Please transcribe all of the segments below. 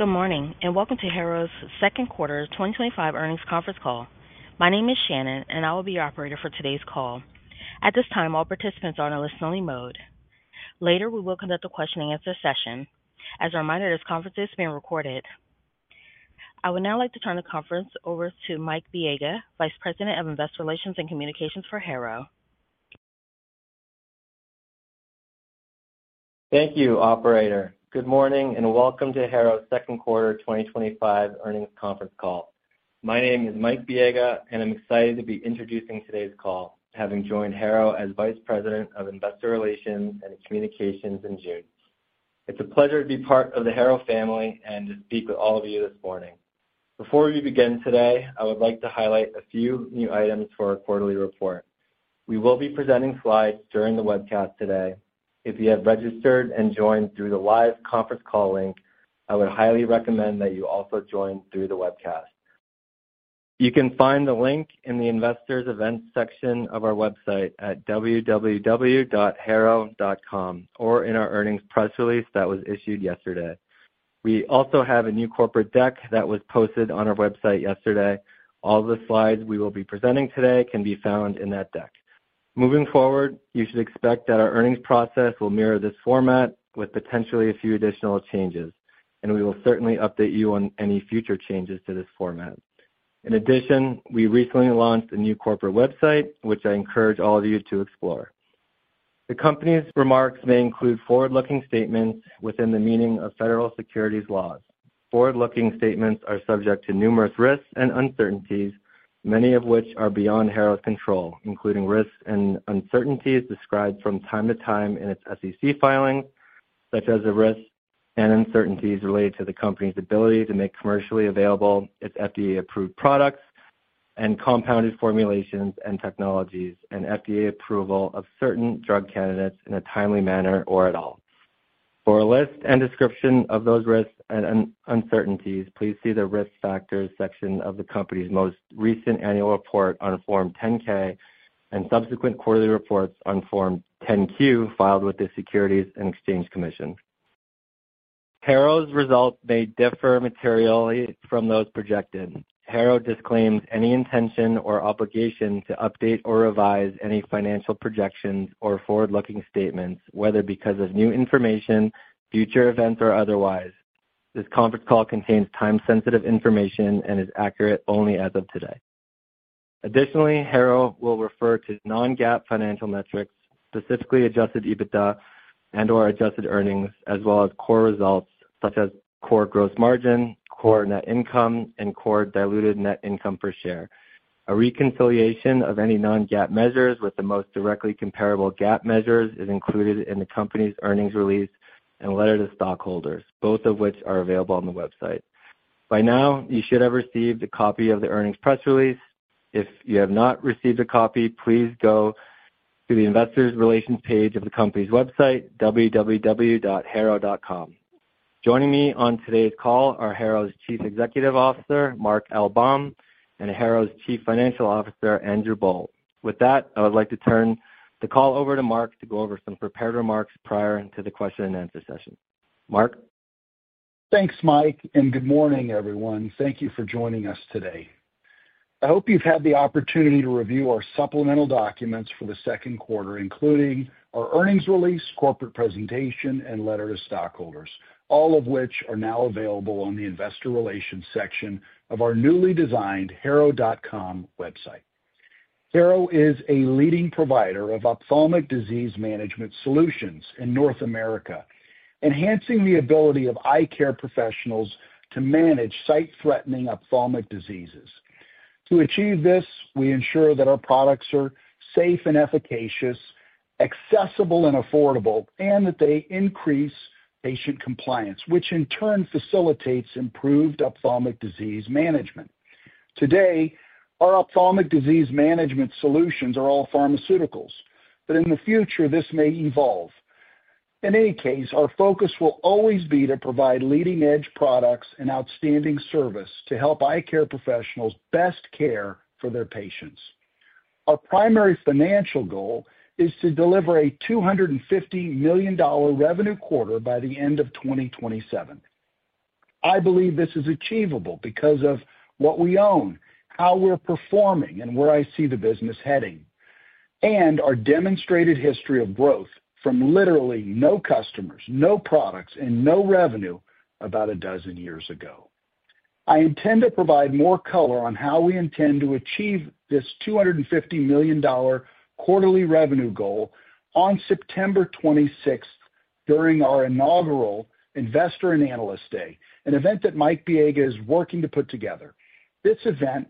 Good morning and welcome to Harrow's second quarter 2025 earnings conference call. My name is Shannon, and I will be your operator for today's call. At this time, all participants are in a listening mode. Later, we will conduct a question and answer session. As a reminder, this conference is being recorded. I would now like to turn the conference over to Mike Biega, Vice President of Investor Relations and Communications for Harrow. Thank you, Operator. Good morning and welcome to Harrow's second quarter 2025 earnings conference call. My name is Mike Biega, and I'm excited to be introducing today's call, having joined Harrow as Vice President of Investor Relations and Communications in June. It's a pleasure to be part of the Harrow family and to speak with all of you this morning. Before we begin today, I would like to highlight a few new items for our quarterly report. We will be presenting slides during the webcast today. If you have registered and joined through the live conference call link, I would highly recommend that you also join through the webcast. You can find the link in the Investors Events section of our website at www.harrow.com or in our earnings press release that was issued yesterday. We also have a new corporate deck that was posted on our website yesterday. All of the slides we will be presenting today can be found in that deck. Moving forward, you should expect that our earnings process will mirror this format with potentially a few additional changes, and we will certainly update you on any future changes to this format. In addition, we recently launched a new corporate website, which I encourage all of you to explore. The company's remarks may include forward-looking statements within the meaning of federal securities laws. Forward-looking statements are subject to numerous risks and uncertainties, many of which are beyond Harrow's control, including risks and uncertainties described from time to time in its SEC filings, such as the risks and uncertainties related to the company's ability to make commercially available its FDA-approved products and compounded formulations and technologies, and FDA approval of certain drug candidates in a timely manner or at all. For a list and description of those risks and uncertainties, please see the Risk Factors section of the company's most recent annual report on Form 10-K and subsequent quarterly reports on Form 10-Q filed with the Securities and Exchange Commission. Harrow's results may differ materially from those projected. Harrow disclaims any intention or obligation to update or revise any financial projections or forward-looking statements, whether because of new information, future events, or otherwise. This conference call contains time-sensitive information and is accurate only as of today. Additionally, Harrow will refer to non-GAAP financial metrics, specifically adjusted EBITDA and/or adjusted earnings, as well as core results such as core gross margin, core net income, and core diluted net income per share. A reconciliation of any non-GAAP measures with the most directly comparable GAAP measures is included in the company's earnings release and letter to stockholders, both of which are available on the website. By now, you should have received a copy of the earnings press release. If you have not received a copy, please go to the Investor Relations page of the company's website, www.harrow.com. Joining me on today's call are Harrow's Chief Executive Officer, Mark L. Baum, and Harrow's Chief Financial Officer, Andrew Boll. With that, I would like to turn the call over to Mark to go over some prepared remarks prior to the question and answer session. Mark. Thanks, Mike, and good morning, everyone. Thank you for joining us today. I hope you've had the opportunity to review our supplemental documents for the second quarter, including our earnings release, corporate presentation, and letter to stockholders, all of which are now available on the Investor Relations section of our newly designed harrow.com website. Harrow is a leading provider of ophthalmic disease management solutions in North America, enhancing the ability of eye care professionals to manage sight-threatening ophthalmic diseases. To achieve this, we ensure that our products are safe and efficacious, accessible and affordable, and that they increase patient compliance, which in turn facilitates improved ophthalmic disease management. Today, our ophthalmic disease management solutions are all pharmaceuticals, but in the future, this may evolve. In any case, our focus will always be to provide leading-edge products and outstanding service to help eye care professionals best care for their patients. Our primary financial goal is to deliver a $250 million revenue quarter by the end of 2027. I believe this is achievable because of what we own, how we're performing, and where I see the business heading, and our demonstrated history of growth from literally no customers, no products, and no revenue about a dozen years ago. I intend to provide more color on how we intend to achieve this $250 million quarterly revenue goal on September 26 during our inaugural Investor and Analyst Day, an event that Mike Biega is working to put together. This event,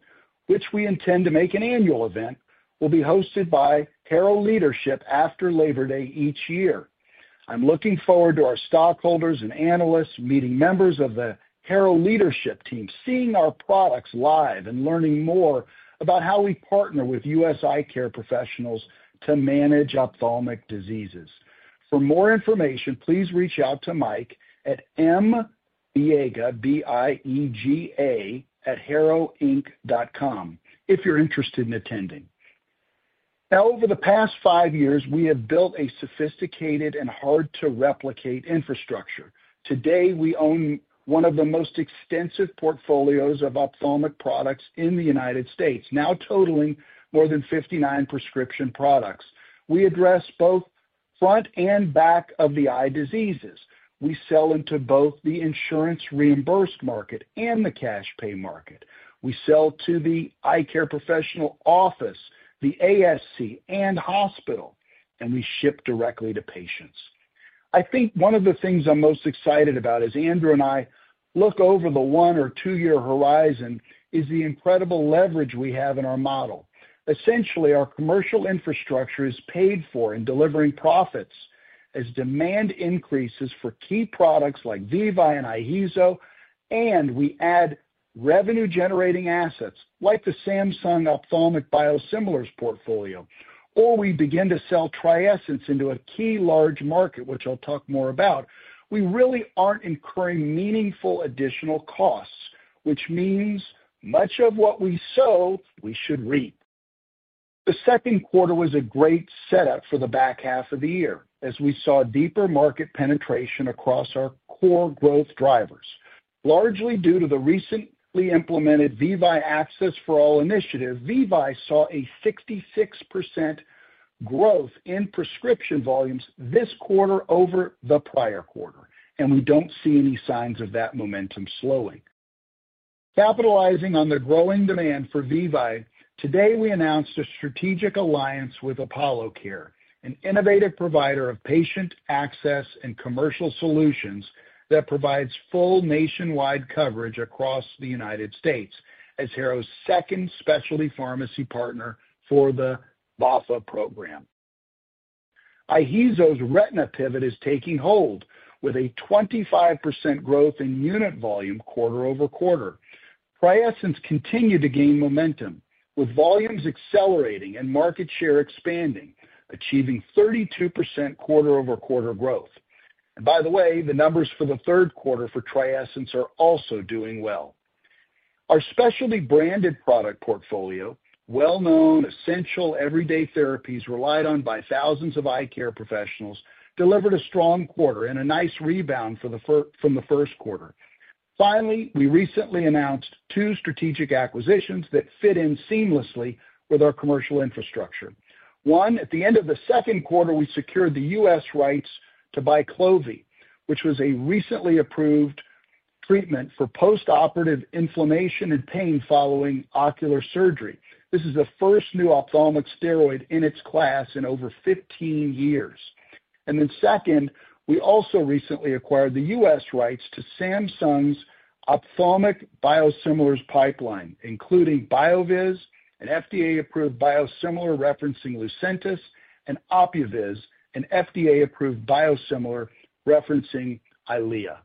which we intend to make an annual event, will be hosted by Harrow Leadership after Labor Day each year. I'm looking forward to our stockholders and analysts meeting members of the Harrow Leadership team, seeing our products live, and learning more about how we partner with U.S. eye care professionals to manage ophthalmic diseases. For more information, please reach out to Mike at M-Biega, B-I-E-G-A, at harrowinc.com if you're interested in attending. Now, over the past five years, we have built a sophisticated and hard-to-replicate infrastructure. Today, we own one of the most extensive portfolios of ophthalmic products in the United States, now totaling more than 59 prescription products. We address both front and back of the eye diseases. We sell into both the insurance reimbursed market and the cash-pay market. We sell to the eye care professional office, the ASC, and hospital, and we ship directly to patients. I think one of the things I'm most excited about, as Andrew and I look over the one or two-year horizon, is the incredible leverage we have in our model. Essentially, our commercial infrastructure is paid for in delivering profits as demand increases for key products like BYQLOVI and IHEEZO, and we add revenue-generating assets like the Samsung Bioepis ophthalmic biosimilars portfolio, or we begin to sell TRIESENCE into a key large market, which I'll talk more about. We really aren't incurring meaningful additional costs, which means much of what we sow, we should reap. The second quarter was a great setup for the back half of the year, as we saw deeper market penetration across our core growth drivers, largely due to the recently implemented VEVYE Access for All (VAFA) program. VEVYE saw a 66% growth in prescription volumes this quarter over the prior quarter, and we don't see any signs of that momentum slowing. Capitalizing on the growing demand for VEVYE, today we announced a strategic alliance with Apollo Care, an innovative provider of patient access and commercial solutions that provides full nationwide coverage across the United States as Harrow's second specialty pharmacy partner for the VAFA program. IHEEZO's retina pivot is taking hold with a 25% growth in unit volume quarter over quarter. TRIESENCE continued to gain momentum with volumes accelerating and market share expanding, achieving 32% quarter over quarter growth. By the way, the numbers for the third quarter for TRIESENCE are also doing well. Our specialty branded product portfolio, well-known essential everyday therapies relied on by thousands of eye care professionals, delivered a strong quarter and a nice rebound from the first quarter. Finally, we recently announced two strategic acquisitions that fit in seamlessly with our commercial infrastructure. One, at the end of the second quarter, we secured the US rights to BYQLOVI, which was a recently approved treatment for postoperative inflammation and pain following ocular surgery. This is the first new ophthalmic steroid in its class in over 15 years. Second, we also recently acquired the US rights to Samsung Bioepis's ophthalmic biosimilars pipeline, including BioViz, an FDA-approved biosimilar referencing Lucentis, and OPUViz, an FDA-approved biosimilar referencing Eylea.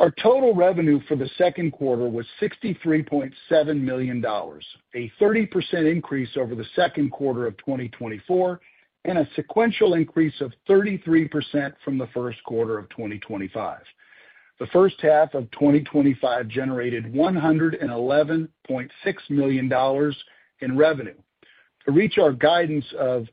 Our total revenue for the second quarter was $63.7 million, a 30% increase over the second quarter of 2024, and a sequential increase of 33% from the first quarter of 2025. The first half of 2025 generated $111.6 million in revenue. To reach our guidance of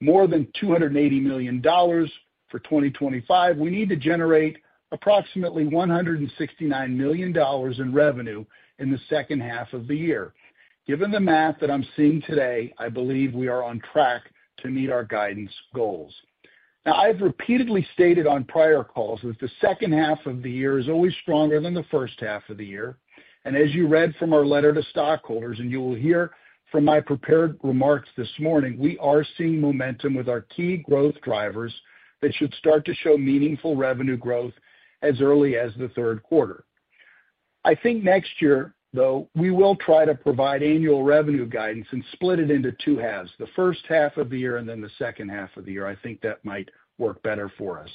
more than $280 million for 2025, we need to generate approximately $169 million in revenue in the second half of the year. Given the math that I'm seeing today, I believe we are on track to meet our guidance goals. I've repeatedly stated on prior calls that the second half of the year is always stronger than the first half of the year. As you read from our letter to stockholders, and you will hear from my prepared remarks this morning, we are seeing momentum with our key growth drivers that should start to show meaningful revenue growth as early as the third quarter. I think next year, though, we will try to provide annual revenue guidance and split it into two halves: the first half of the year and then the second half of the year. I think that might work better for us.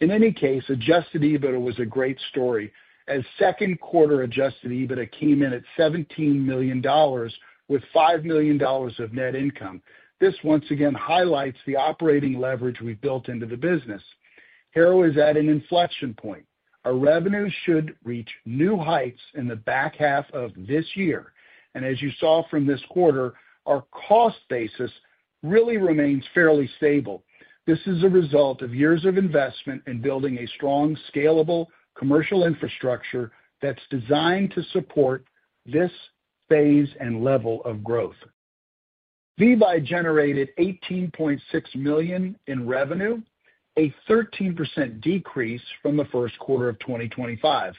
In any case, adjusted EBITDA was a great story as second quarter adjusted EBITDA came in at $17 million with $5 million of net income. This once again highlights the operating leverage we've built into the business. Harrow is at an inflection point. Our revenue should reach new heights in the back half of this year. As you saw from this quarter, our cost basis really remains fairly stable. This is a result of years of investment in building a strong, scalable commercial infrastructure that's designed to support this phase and level of growth. VEVYE generated $18.6 million in revenue, a 13% decrease from the first quarter of 2025.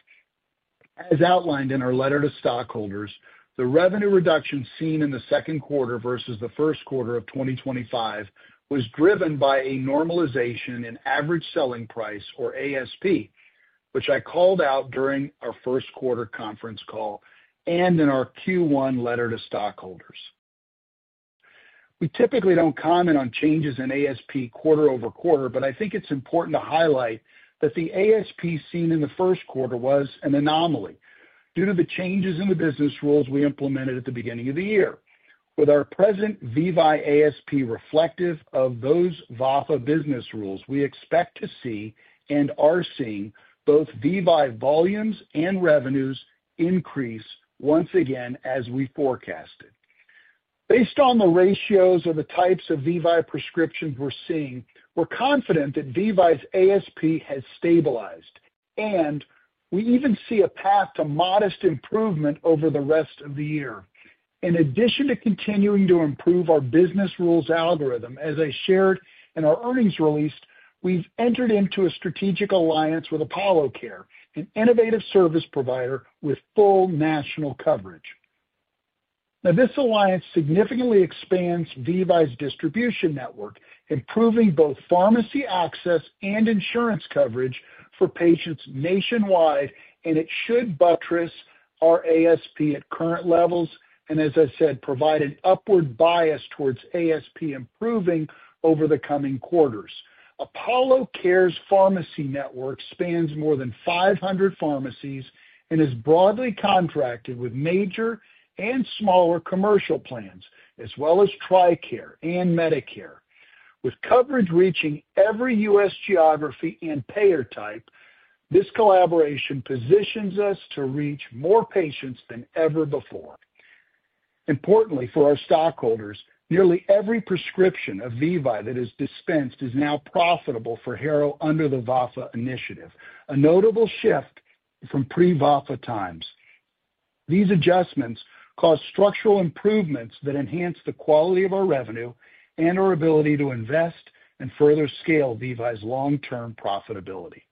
As outlined in our letter to stockholders, the revenue reduction seen in the second quarter versus the first quarter of 2025 was driven by a normalization in average selling price, or ASP, which I called out during our first quarter conference call and in our Q1 letter to stockholders. We typically don't comment on changes in ASP quarter over quarter, but I think it's important to highlight that the ASP seen in the first quarter was an anomaly due to the changes in the business rules we implemented at the beginning of the year. With our present VEVYE ASP reflective of those VAFA business rules, we expect to see and are seeing both VEVYE volumes and revenues increase once again as we forecast it. Based on the ratios of the types of VEVYE prescriptions we're seeing, we're confident that VEVYE's ASP has stabilized, and we even see a path to modest improvement over the rest of the year. In addition to continuing to improve our business rules algorithm, as I shared in our earnings release, we've entered into a strategic alliance with Apollo Care, an innovative service provider with full national coverage. Now, this alliance significantly expands VEVYE's distribution network, improving both pharmacy access and insurance coverage for patients nationwide, and it should buttress our ASP at current levels, and as I said, provide an upward bias towards ASP improving over the coming quarters. Apollo Care's pharmacy network spans more than 500 pharmacies and is broadly contracted with major and smaller commercial plans, as well as Tricare and Medicare. With coverage reaching every U.S. geography and payer type, this collaboration positions us to reach more patients than ever before. Importantly, for our stockholders, nearly every prescription of VEVYE that is dispensed is now profitable for Harrow under the VEVYE Access for All (VAFA) initiative, a notable shift from pre-VAFA times. These adjustments cause structural improvements that enhance the quality of our revenue and our ability to invest and further scale VEVYE's long-term profitability.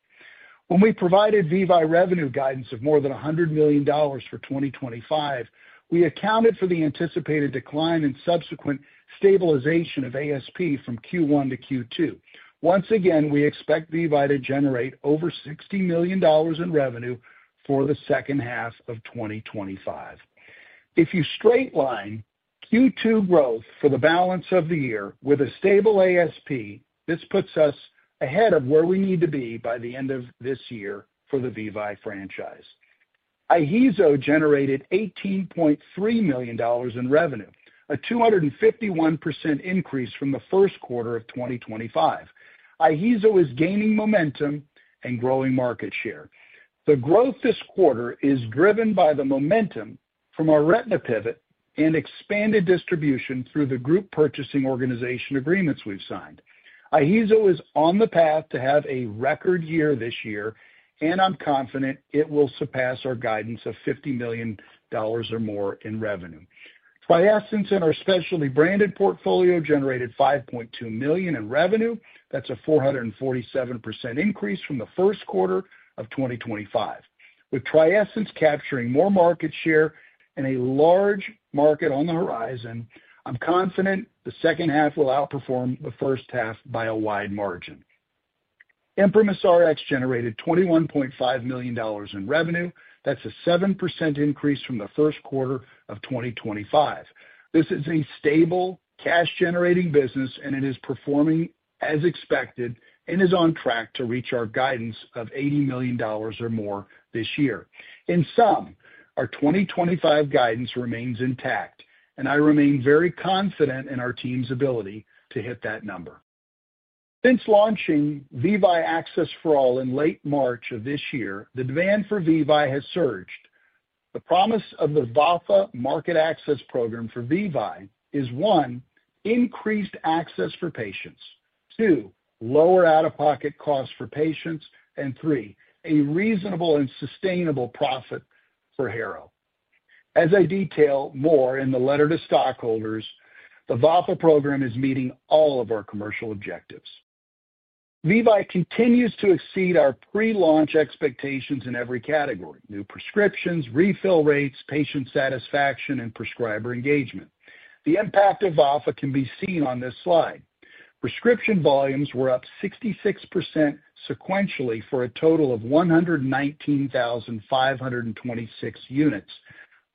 When we provided VEVYE revenue guidance of more than $100 million for 2025, we accounted for the anticipated decline and subsequent stabilization of ASP from Q1 to Q2. Once again, we expect VEVYE to generate over $60 million in revenue for the second half of 2025. If you straight line Q2 growth for the balance of the year with a stable ASP, this puts us ahead of where we need to be by the end of this year for the VEVYE franchise. IHEEZO generated $18.3 million in revenue, a 251% increase from the first quarter of 2025. IHEEZO is gaining momentum and growing market share. The growth this quarter is driven by the momentum from our retina pivot and expanded distribution through the group purchasing organization agreements we've signed. IHEEZO is on the path to have a record year this year, and I'm confident it will surpass our guidance of $50 million or more in revenue. TRIESENCE and our specialty branded portfolio generated $5.2 million in revenue. That's a 447% increase from the first quarter of 2025. With TRIESENCE capturing more market share and a large market on the horizon, I'm confident the second half will outperform the first half by a wide margin. Harrow generated $21.5 million in revenue. That's a 7% increase from the first quarter of 2025. This is a stable cash-generating business, and it is performing as expected and is on track to reach our guidance of $80 million or more this year. In sum, our 2025 guidance remains intact, and I remain very confident in our team's ability to hit that number. Since launching VEVYE Access for All in late March of this year, the demand for VEVYE has surged. The promise of the VAFA Market Access Program for VEVYE is, one, increased access for patients, two, lower out-of-pocket costs for patients, and three, a reasonable and sustainable profit for Harrow. As I detail more in the letter to stockholders, the VAFA program is meeting all of our commercial objectives. VEVYE continues to exceed our pre-launch expectations in every category: new prescriptions, refill rates, patient satisfaction, and prescriber engagement. The impact of VAFA can be seen on this slide. Prescription volumes were up 66% sequentially for a total of 119,526 units.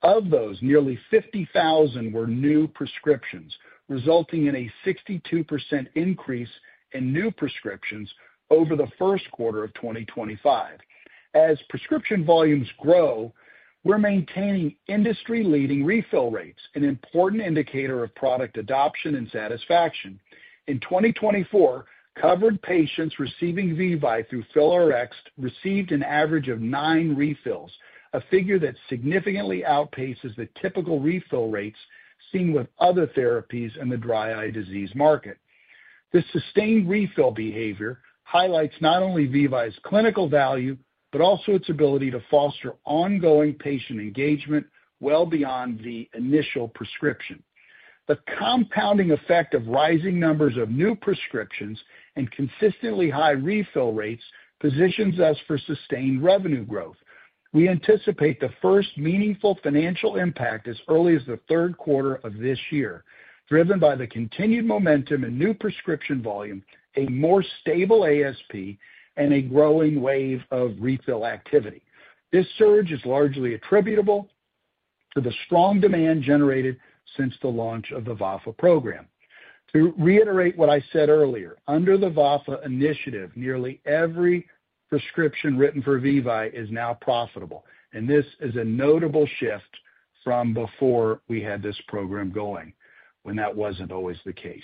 Of those, nearly 50,000 were new prescriptions, resulting in a 62% increase in new prescriptions over the first quarter of 2025. As prescription volumes grow, we're maintaining industry-leading refill rates, an important indicator of product adoption and satisfaction. In 2024, covered patients receiving VEVYE through Apollo Care received an average of nine refills, a figure that significantly outpaces the typical refill rates seen with other therapies in the dry eye disease market. This sustained refill behavior highlights not only VEVYE's clinical value, but also its ability to foster ongoing patient engagement well beyond the initial prescription. The compounding effect of rising numbers of new prescriptions and consistently high refill rates positions us for sustained revenue growth. We anticipate the first meaningful financial impact as early as the third quarter of this year, driven by the continued momentum in new prescription volume, a more stable ASP, and a growing wave of refill activity. This surge is largely attributable to the strong demand generated since the launch of the VAFA program. To reiterate what I said earlier, under the VAFA initiative, nearly every prescription written for VEVYE is now profitable, and this is a notable shift from before we had this program going, when that wasn't always the case.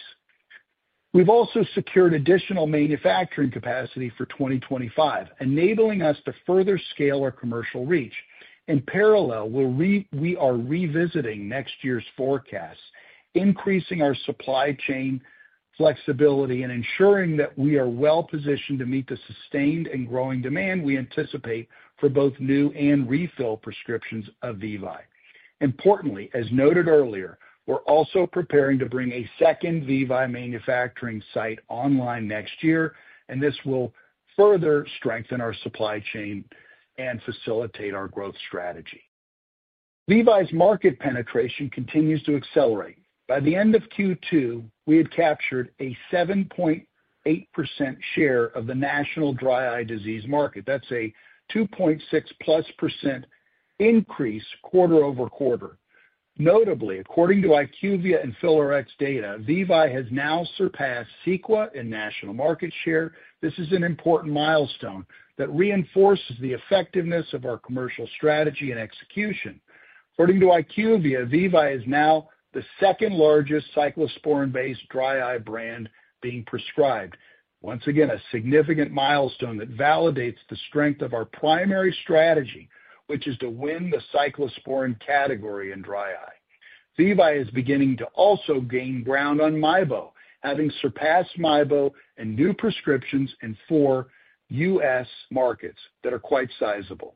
We've also secured additional manufacturing capacity for 2025, enabling us to further scale our commercial reach. In parallel, we are revisiting next year's forecasts, increasing our supply chain flexibility, and ensuring that we are well positioned to meet the sustained and growing demand we anticipate for both new and refill prescriptions of VEVYE. Importantly, as noted earlier, we're also preparing to bring a second VEVYE manufacturing site online next year, and this will further strengthen our supply chain and facilitate our growth strategy. VEVYE's market penetration continues to accelerate. By the end of Q2, we had captured a 7.8% share of the national dry eye disease market. That's a 2.6% increase quarter over quarter. Notably, according to IQVIA and FillRx data, VEVYE has now surpassed CEQUA in national market share. This is an important milestone that reinforces the effectiveness of our commercial strategy and execution. According to IQVIA, VEVYE is now the second largest cyclosporine-based dry eye brand being prescribed. Once again, a significant milestone that validates the strength of our primary strategy, which is to win the cyclosporine category in dry eye. VEVYE is beginning to also gain ground on MYBO, having surpassed MYBO in new prescriptions in four U.S. markets that are quite sizable.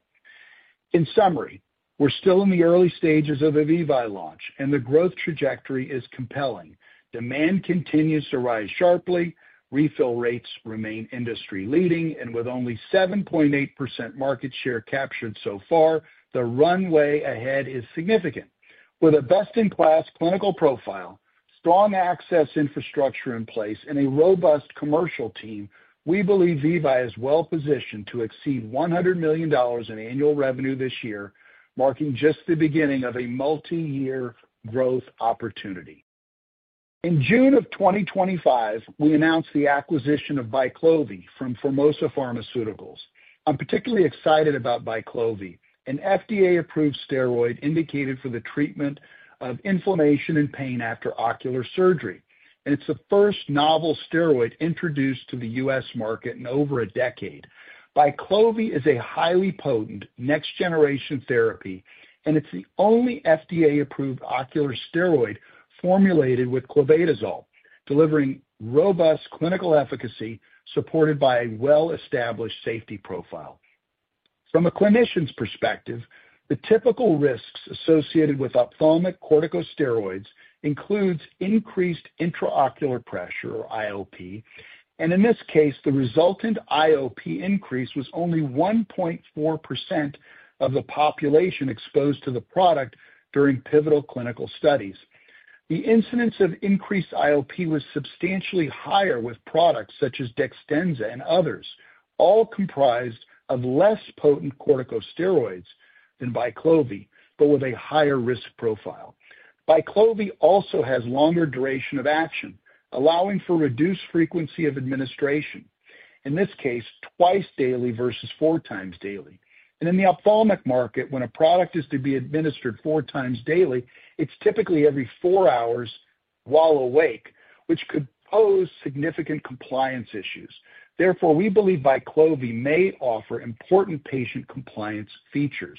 In summary, we're still in the early stages of a VEVYE launch, and the growth trajectory is compelling. Demand continues to rise sharply, refill rates remain industry-leading, and with only 7.8% market share captured so far, the runway ahead is significant. With a best-in-class clinical profile, strong access infrastructure in place, and a robust commercial team, we believe VEVYE is well positioned to exceed $100 million in annual revenue this year, marking just the beginning of a multi-year growth opportunity. In June 2025, we announced the acquisition of BYQLOVI from Formosa Pharmaceuticals. I'm particularly excited about BYQLOVI, an FDA-approved steroid indicated for the treatment of inflammation and pain after ocular surgery. It's the first novel steroid introduced to the U.S. market in over a decade. BYQLOVI is a highly potent next-generation therapy, and it's the only FDA-approved ocular steroid formulated with clobetasol, delivering robust clinical efficacy supported by a well-established safety profile. From a clinician's perspective, the typical risks associated with ophthalmic corticosteroids include increased intraocular pressure, or IOP, and in this case, the resultant IOP increase was only 1.4% of the population exposed to the product during pivotal clinical studies. The incidence of increased IOP was substantially higher with products such as Dextenza and others, all comprised of less potent corticosteroids than BYQLOVI, but with a higher risk profile. BYQLOVI also has a longer duration of action, allowing for reduced frequency of administration, in this case, twice daily versus four times daily. In the ophthalmic market, when a product is to be administered four times daily, it's typically every four hours while awake, which could pose significant compliance issues. Therefore, we believe BYQLOVI may offer important patient compliance features.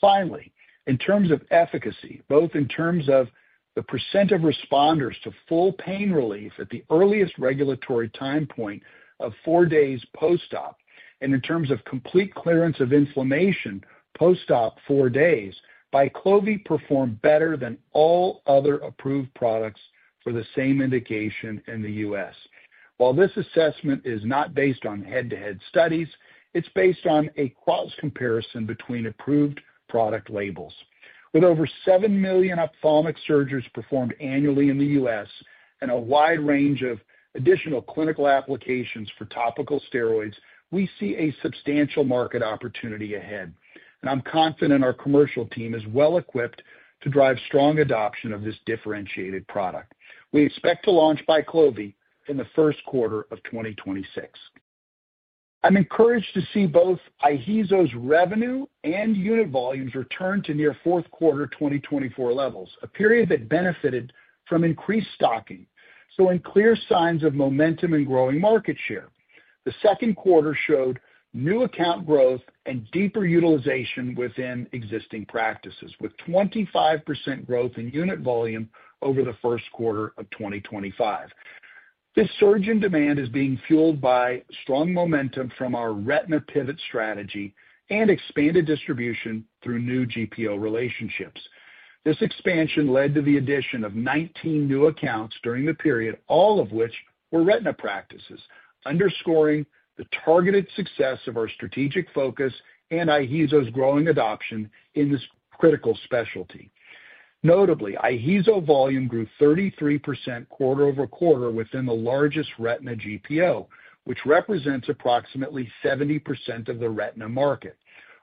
Finally, in terms of efficacy, both in terms of the % of responders to full pain relief at the earliest regulatory time point of four days post-op, and in terms of complete clearance of inflammation post-op four days, BYQLOVI performed better than all other approved products for the same indication in the U.S. While this assessment is not based on head-to-head studies, it's based on a close comparison between approved product labels. With over 7 million ophthalmic surgeries performed annually in the U.S. and a wide range of additional clinical applications for topical steroids, we see a substantial market opportunity ahead. I'm confident our commercial team is well-equipped to drive strong adoption of this differentiated product. We expect to launch BYQLOVI in the first quarter of 2026. I'm encouraged to see both IHEEZO's revenue and unit volumes return to near fourth quarter 2024 levels, a period that benefited from increased stocking, showing clear signs of momentum and growing market share. The second quarter showed new account growth and deeper utilization within existing practices, with 25% growth in unit volume over the first quarter of 2025. This surge in demand is being fueled by strong momentum from our Retina pivot strategy and expanded distribution through new GPO relationships. This expansion led to the addition of 19 new accounts during the period, all of which were Retina practices, underscoring the targeted success of our strategic focus and IHEEZO's growing adoption in this critical specialty. Notably, IHEEZO volume grew 33% quarter over quarter within the largest Retina GPO, which represents approximately 70% of the Retina market.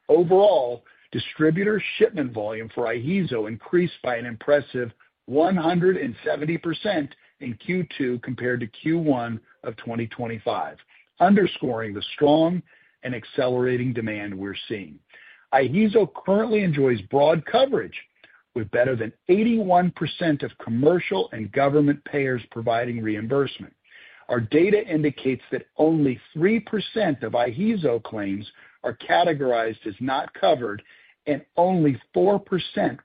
Overall, distributor shipment volume for IHEEZO increased by an impressive 170% in Q2 compared to Q1 of 2025, underscoring the strong and accelerating demand we're seeing. IHEEZO currently enjoys broad coverage with better than 81% of commercial and government payers providing reimbursement. Our data indicates that only 3% of IHEEZO claims are categorized as not covered, and only 4%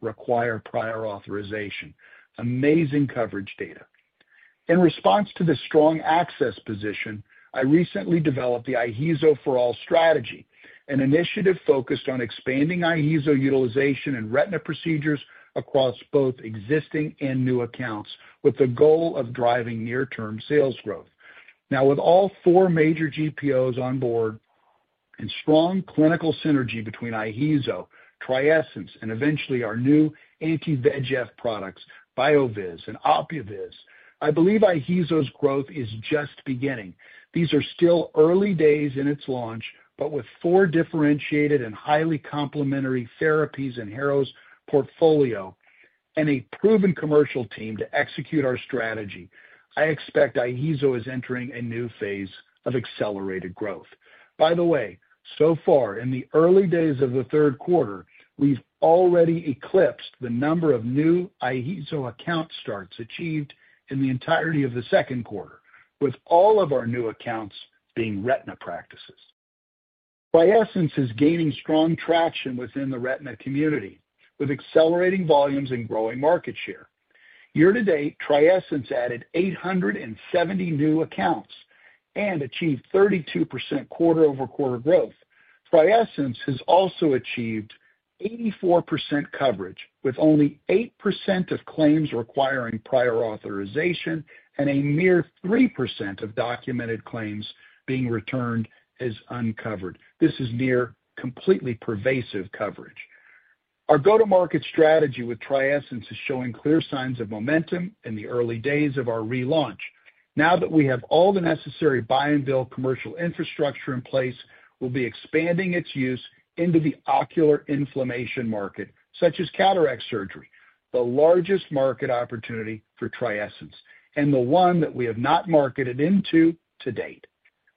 require prior authorization. Amazing coverage data. In response to the strong access position, I recently developed the IHEEZO for All strategy, an initiative focused on expanding IHEEZO utilization and Retina procedures across both existing and new accounts, with the goal of driving near-term sales growth. Now, with all four major GPOs on board and strong clinical synergy between IHEEZO, TRIESENCE, and eventually our new anti-VEGF products, BioViz and OPUViz, I believe IHEEZO's growth is just beginning. These are still early days in its launch, but with four differentiated and highly complementary therapies in Harrow's portfolio and a proven commercial team to execute our strategy, I expect IHEEZO is entering a new phase of accelerated growth. By the way, so far in the early days of the third quarter, we've already eclipsed the number of new IHEEZO account starts achieved in the entirety of the second quarter, with all of our new accounts being Retina practices. TRIESENCE is gaining strong traction within the Retina community, with accelerating volumes and growing market share. Year to date, TRIESENCE added 870 new accounts and achieved 32% quarter over quarter growth. TRIESENCE has also achieved 84% coverage, with only 8% of claims requiring prior authorization and a mere 3% of documented claims being returned as uncovered. This is near completely pervasive coverage. Our go-to-market strategy with TRIESENCE is showing clear signs of momentum in the early days of our relaunch. Now that we have all the necessary buy-and-bill commercial infrastructure in place, we'll be expanding its use into the ocular inflammation market, such as cataract surgery, the largest market opportunity for TRIESENCE and the one that we have not marketed into to date.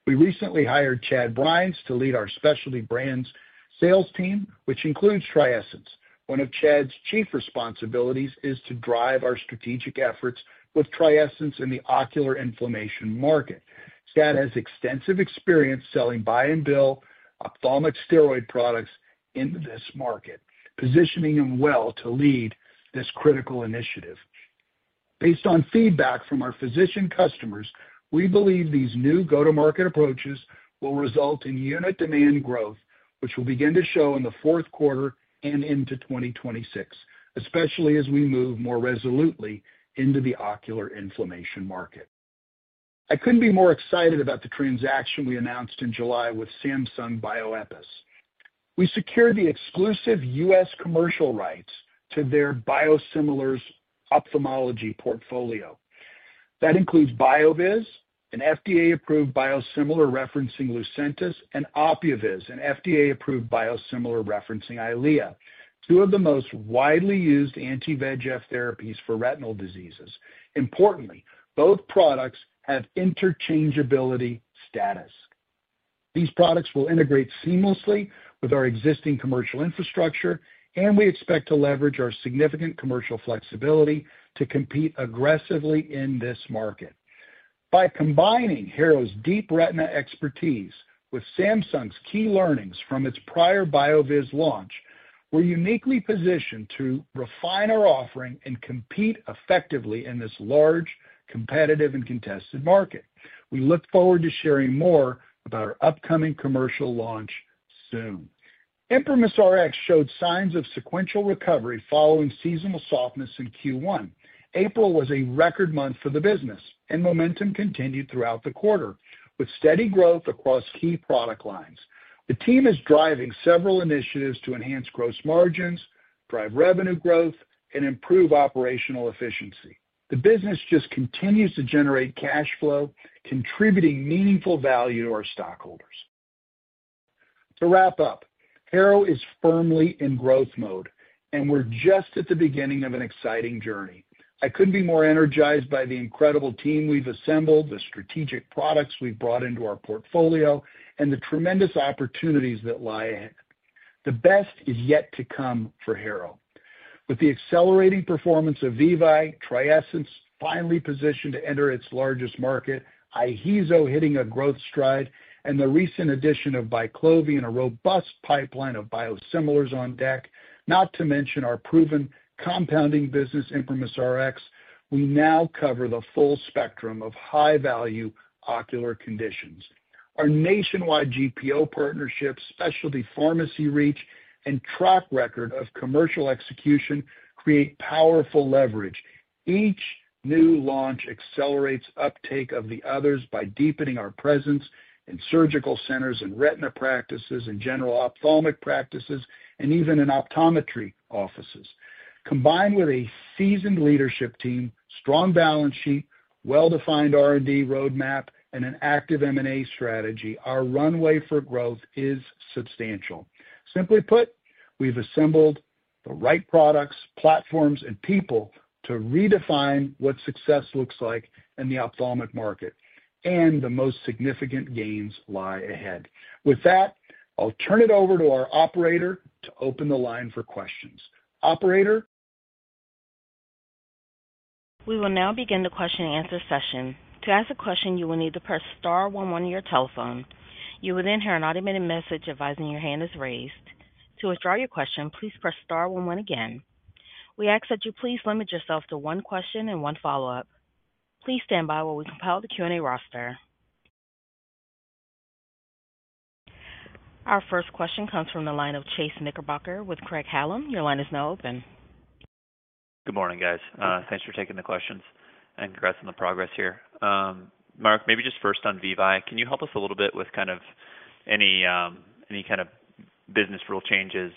We recently hired Chad Bryans to lead our specialty brand sales team, which includes TRIESENCE. One of Chad's chief responsibilities is to drive our strategic efforts with TRIESENCE in the ocular inflammation market. Chad has extensive experience selling buy-and-bill ophthalmic steroid products in this market, positioning him well to lead this critical initiative. Based on feedback from our physician customers, we believe these new go-to-market approaches will result in unit demand growth, which will begin to show in the fourth quarter and into 2026, especially as we move more resolutely into the ocular inflammation market. I couldn't be more excited about the transaction we announced in July with Samsung Bioepis. We secured the exclusive U.S. commercial rights to their biosimilars ophthalmology portfolio. That includes BioViz, an FDA-approved biosimilar referencing Lucentis, and OPUViz, an FDA-approved biosimilar referencing Eylea, two of the most widely used anti-VEGF therapies for retinal diseases. Importantly, both products have interchangeability status. These products will integrate seamlessly with our existing commercial infrastructure, and we expect to leverage our significant commercial flexibility to compete aggressively in this market. By combining Harrow's deep retina expertise with Samsung's key learnings from its prior BioViz launch, we're uniquely positioned to refine our offering and compete effectively in this large, competitive, and contested market. We look forward to sharing more about our upcoming commercial launch soon. Emperor Masari showed signs of sequential recovery following seasonal softness in Q1. April was a record month for the business, and momentum continued throughout the quarter with steady growth across key product lines. The team is driving several initiatives to enhance gross margins, drive revenue growth, and improve operational efficiency. The business just continues to generate cash flow, contributing meaningful value to our stockholders. To wrap up, Harrow is firmly in growth mode, and we're just at the beginning of an exciting journey. I couldn't be more energized by the incredible team we've assembled, the strategic products we've brought into our portfolio, and the tremendous opportunities that lie ahead. The best is yet to come for Harrow. With the accelerating performance of VEVYE, TRIESENCE finally positioned to enter its largest market, IHEEZO hitting a growth stride, and the recent addition of BYQLOVI and a robust pipeline of biosimilars on deck, not to mention our proven compounding business ImprimisRx, we now cover the full spectrum of high-value ocular conditions. Our nationwide GPO partnership, specialty pharmacy reach, and track record of commercial execution create powerful leverage. Each new launch accelerates uptake of the others by deepening our presence in surgical centers and retina practices and general ophthalmic practices and even in optometry offices. Combined with a seasoned leadership team, strong balance sheet, well-defined R&D roadmap, and an active M&A strategy, our runway for growth is substantial. Simply put, we've assembled the right products, platforms, and people to redefine what success looks like in the ophthalmic market, and the most significant gains lie ahead. With that, I'll turn it over to our operator to open the line for questions. Operator? We will now begin the question and answer session. To ask a question, you will need to press star one-one on your telephone. You will then hear an automated message advising your hand is raised. To withdraw your question, please press star one-one again. We ask that you please limit yourself to one question and one follow-up. Please stand by while we compile the Q&A roster. Our first question comes from the line of Chase Knickerbocker with Craig-Hallum. Your line is now open. Good morning, guys. Thanks for taking the questions and congrats on the progress here. Mark, maybe just first on VEVYE, can you help us a little bit with kind of any kind of business rule changes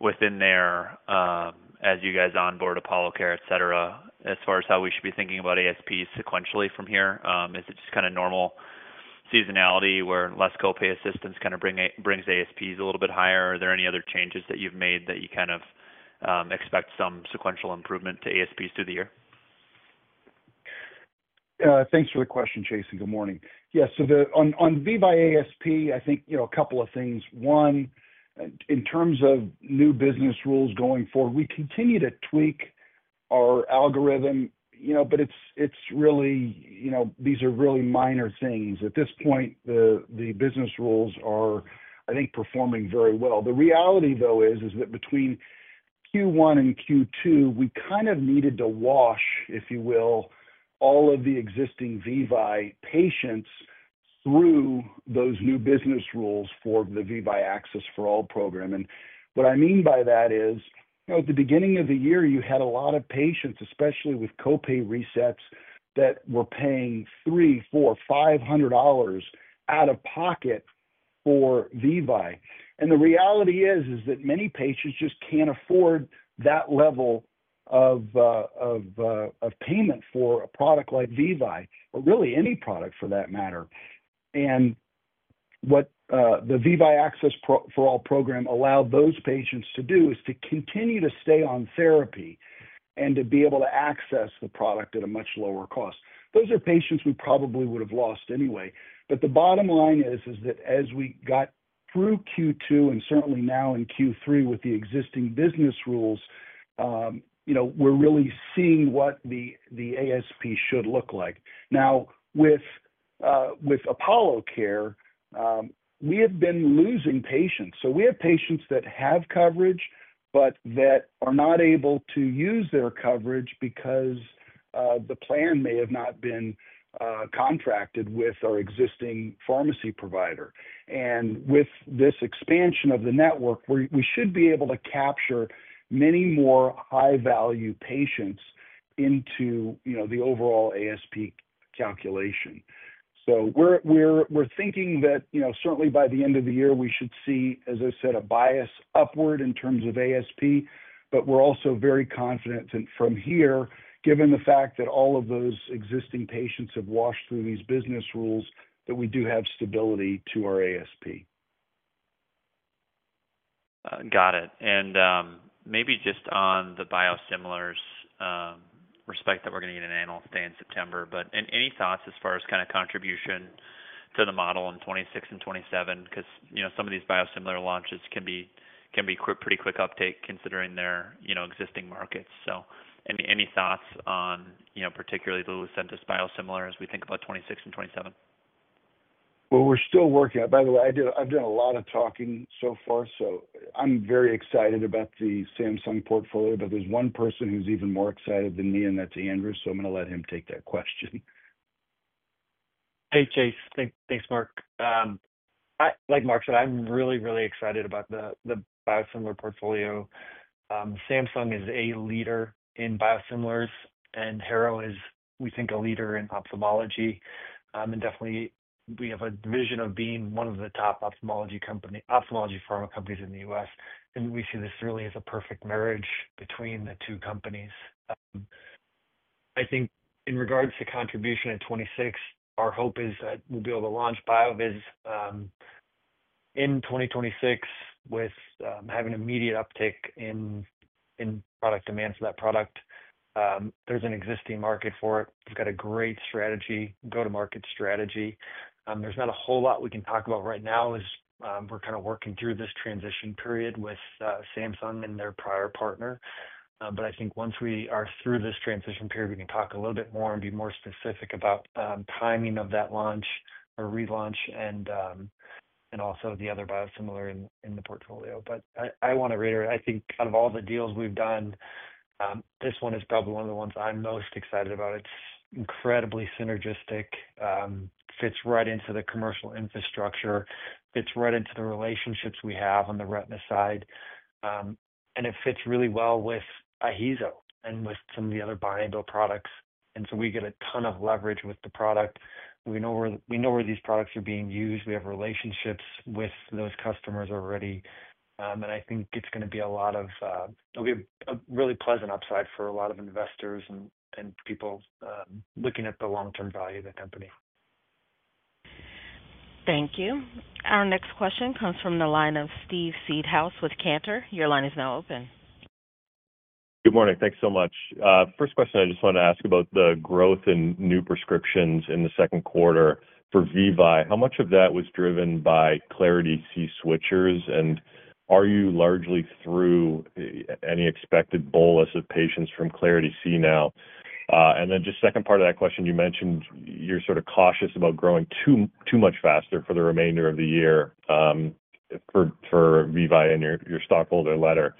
within there as you guys onboard Apollo Care, et cetera, as far as how we should be thinking about ASPs sequentially from here? Is it just kind of normal seasonality where less copay assistance kind of brings ASPs a little bit higher? Are there any other changes that you've made that you kind of expect some sequential improvement to ASPs through the year? Yeah, thanks for the question, Chase, and good morning. Yeah, so on VEVYE ASP, I think a couple of things. One, in terms of new business rules going forward, we continue to tweak our algorithm, but it's really minor things. At this point, the business rules are performing very well. The reality, though, is that between Q1 and Q2, we kind of needed to wash, if you will, all of the existing VEVYE patients through those new business rules for the VEVYE Access for All program. What I mean by that is, at the beginning of the year, you had a lot of patients, especially with copay resets, that were paying $300, $400, $500 out of pocket for VEVYE. The reality is that many patients just can't afford that level of payment for a product like VEVYE, but really any product for that matter. What the VEVYE Access for All program allowed those patients to do is to continue to stay on therapy and to be able to access the product at a much lower cost. Those are patients we probably would have lost anyway. The bottom line is that as we got through Q2 and certainly now in Q3 with the existing business rules, we're really seeing what the ASP should look like. Now, with Apollo Care, we have been losing patients. We have patients that have coverage, but that are not able to use their coverage because the plan may have not been contracted with our existing pharmacy provider. With this expansion of the network, we should be able to capture many more high-value patients into the overall ASP calculation. We're thinking that certainly by the end of the year, we should see, as I said, a bias upward in terms of ASP, but we're also very confident that from here, given the fact that all of those existing patients have washed through these business rules, that we do have stability to our ASP. Got it. Maybe just on the biosimilars, we’re going to get an annual update in September, but any thoughts as far as kind of contribution to the model in 2026 and 2027? Some of these biosimilar launches can be pretty quick uptake considering their existing markets. Any thoughts on particularly the Lucentis biosimilar as we think about 2026 and 2027? We're still working on it. By the way, I've done a lot of talking so far, so I'm very excited about the Samsung Bioepis portfolio, but there's one person who's even more excited than me, and that's Andrew, so I'm going to let him take that question. Hey, Chase. Thanks, Mark. Like Mark said, I'm really, really excited about the biosimilar portfolio. Samsung is a leader in biosimilars, and Harrow is, we think, a leader in ophthalmology. We have a vision of being one of the top ophthalmology pharma companies in the U.S. We see this really as a perfect marriage between the two companies. I think in regards to contribution in 2026, our hope is that we'll be able to launch BioViz in 2026 with having an immediate uptick in product demand for that product. There's an existing market for it. We've got a great go-to-market strategy. There's not a whole lot we can talk about right now as we're working through this transition period with Samsung and their prior partner. I think once we are through this transition period, we can talk a little bit more and be more specific about timing of that launch or relaunch and also the other biosimilar in the portfolio. I want to reiterate, I think out of all the deals we've done, this one is probably one of the ones I'm most excited about. It's incredibly synergistic, fits right into the commercial infrastructure, fits right into the relationships we have on the retina side, and it fits really well with IHEEZO and with some of the other buy-and-bill products. We get a ton of leverage with the product. We know where these products are being used. We have relationships with those customers already. I think it's going to be a really pleasant upside for a lot of investors and people looking at the long-term value of the company. Thank you. Our next question comes from the line of Steve Seedhouse with Cantor. Your line is now open. Good morning. Thanks so much. First question, I just wanted to ask about the growth in new prescriptions in the second quarter for VEVYE. How much of that was driven by Clarity C switchers, and are you largely through any expected bolus of patients from Clarity C now? The second part of that question, you mentioned you're sort of cautious about growing too much faster for the remainder of the year for VEVYE in your stockholder letter.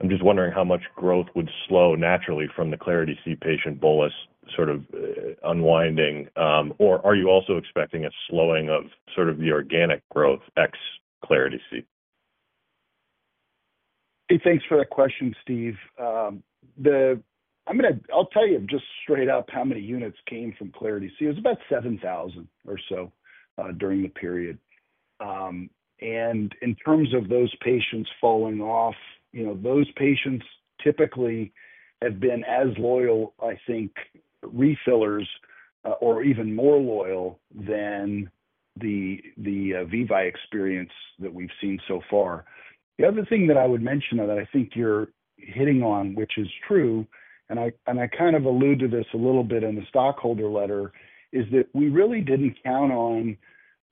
I'm just wondering how much growth would slow naturally from the Clarity C patient bolus sort of unwinding, or are you also expecting a slowing of sort of the organic growth ex-Clarity C? Hey, thanks for that question, Steve. I'll tell you just straight up how many units came from Clarity C. It was about 7,000 or so during the period. In terms of those patients falling off, those patients typically had been as loyal, I think, refillers or even more loyal than the VEVYE experience that we've seen so far. The other thing that I would mention that I think you're hitting on, which is true, and I kind of alluded to this a little bit in the stockholder letter, is that we really didn't count on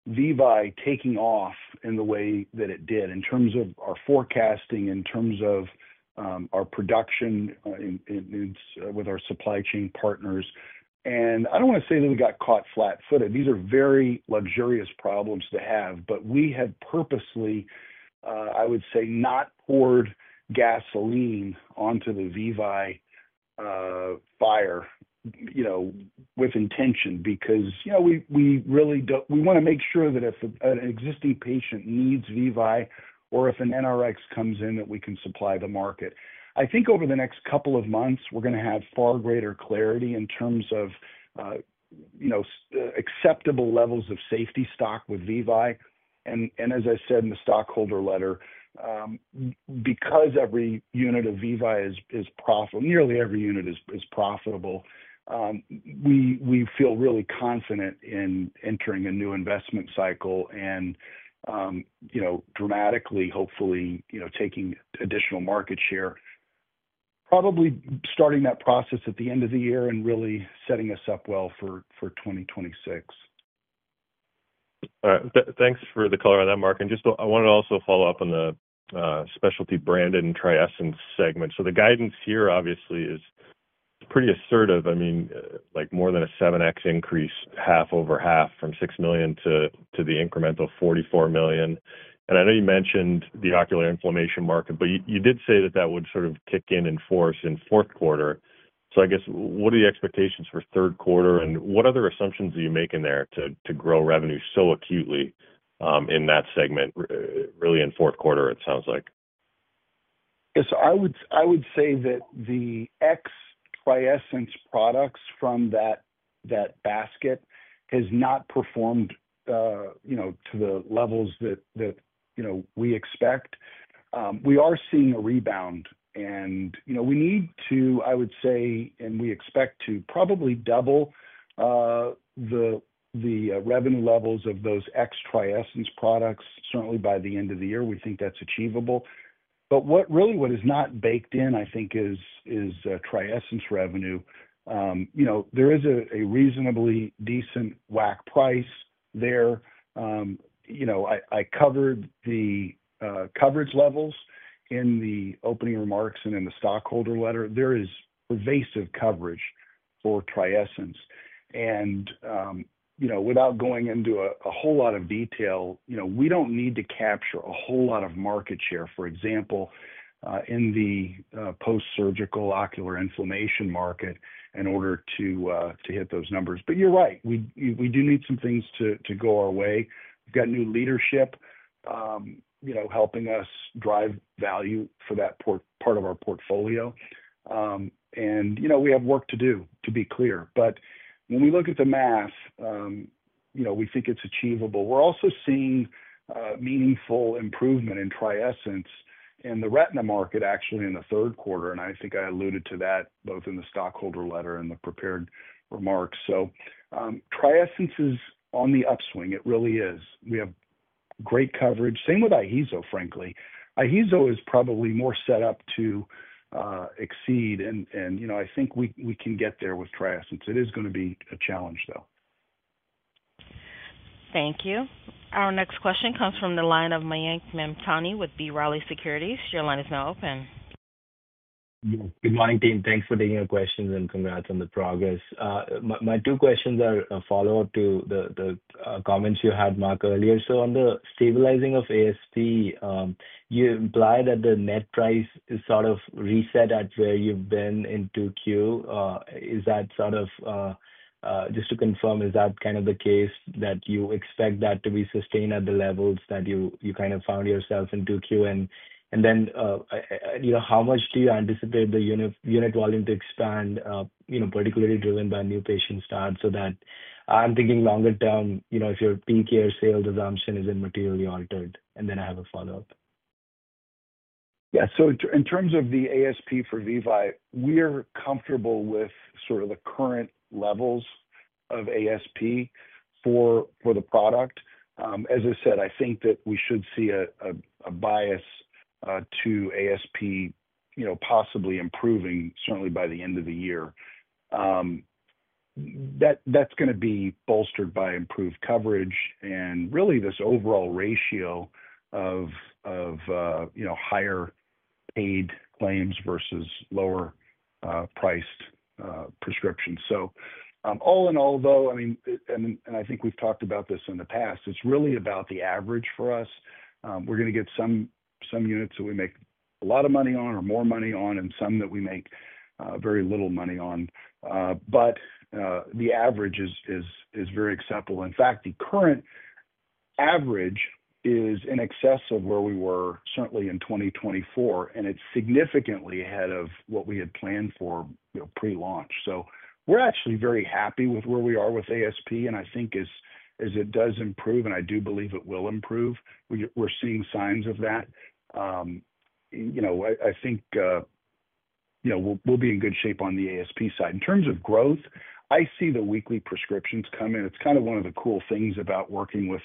VEVYE taking off in the way that it did in terms of our forecasting, in terms of our production with our supply chain partners. I don't want to say that we got caught flat-footed. These are very luxurious problems to have, but we have purposely, I would say, not poured gasoline onto the VEVYE fire with intention because we really don't, we want to make sure that if an existing patient needs VEVYE or if an NRX comes in that we can supply the market. I think over the next couple of months, we're going to have far greater clarity in terms of acceptable levels of safety stock with VEVYE. As I said in the stockholder letter, because every unit of VEVYE is profitable, nearly every unit is profitable, we feel really confident in entering a new investment cycle and, hopefully, taking additional market share, probably starting that process at the end of the year and really setting us up well for 2026. Thanks for the color on that, Mark. I wanted to also follow up on the specialty branded and TRIESENCE segment. The guidance here obviously is pretty assertive. I mean, like more than a 7X increase, half over half from $6 million to the incremental $44 million. I know you mentioned the ocular inflammation market, but you did say that that would sort of kick in in force in fourth quarter. I guess what are the expectations for third quarter and what other assumptions are you making there to grow revenue so acutely in that segment, really in fourth quarter, it sounds like? Yeah, I would say that the ex-TRIESENCE products from that basket have not performed to the levels that we expect. We are seeing a rebound, and we need to, I would say, and we expect to probably double the revenue levels of those ex-TRIESENCE products, certainly by the end of the year. We think that's achievable. What really is not baked in, I think, is TRIESENCE revenue. There is a reasonably decent WACC price there. I covered the coverage levels in the opening remarks and in the stockholder letter. There is pervasive coverage for TRIESENCE. Without going into a whole lot of detail, we don't need to capture a whole lot of market share, for example, in the post-surgical ocular inflammation market in order to hit those numbers. You're right, we do need some things to go our way. We've got new leadership helping us drive value for that part of our portfolio, and we have work to do, to be clear. When we look at the math, we think it's achievable. We're also seeing meaningful improvement in TRIESENCE in the retina market, actually, in the third quarter. I think I alluded to that both in the stockholder letter and the prepared remarks. TRIESENCE is on the upswing. It really is. We have great coverage. Same with IHEEZO, frankly. IHEEZO is probably more set up to exceed, and I think we can get there with TRIESENCE. It is going to be a challenge, though. Thank you. Our next question comes from the line of Mayank Mamtani with B. Riley Securities. Your line is now open. Good morning, team. Thanks for taking your questions and congrats on the progress. My two questions are a follow-up to the comments you had, Mark, earlier. On the stabilizing of ASP, you implied that the net price is sort of reset at where you've been in 2Q. Is that, just to confirm, is that kind of the case that you expect that to be sustained at the levels that you kind of found yourself in 2Q? How much do you anticipate the unit volume to expand, particularly driven by new patient starts? I'm thinking longer term, if your PKR sales assumption isn't materially altered, and then I have a follow-up. Yeah, so in terms of the ASP for VEVYE, we are comfortable with sort of the current levels of ASP for the product. As I said, I think that we should see a bias to ASP, you know, possibly improving certainly by the end of the year. That's going to be bolstered by improved coverage and really this overall ratio of, you know, higher paid claims versus lower priced prescriptions. All in all, though, I mean, and I think we've talked about this in the past, it's really about the average for us. We're going to get some units that we make a lot of money on or more money on and some that we make very little money on. The average is very acceptable. In fact, the current average is in excess of where we were certainly in 2024, and it's significantly ahead of what we had planned for pre-launch. We're actually very happy with where we are with ASP, and I think as it does improve, and I do believe it will improve, we're seeing signs of that. I think, you know, we'll be in good shape on the ASP side. In terms of growth, I see the weekly prescriptions come in. It's kind of one of the cool things about working with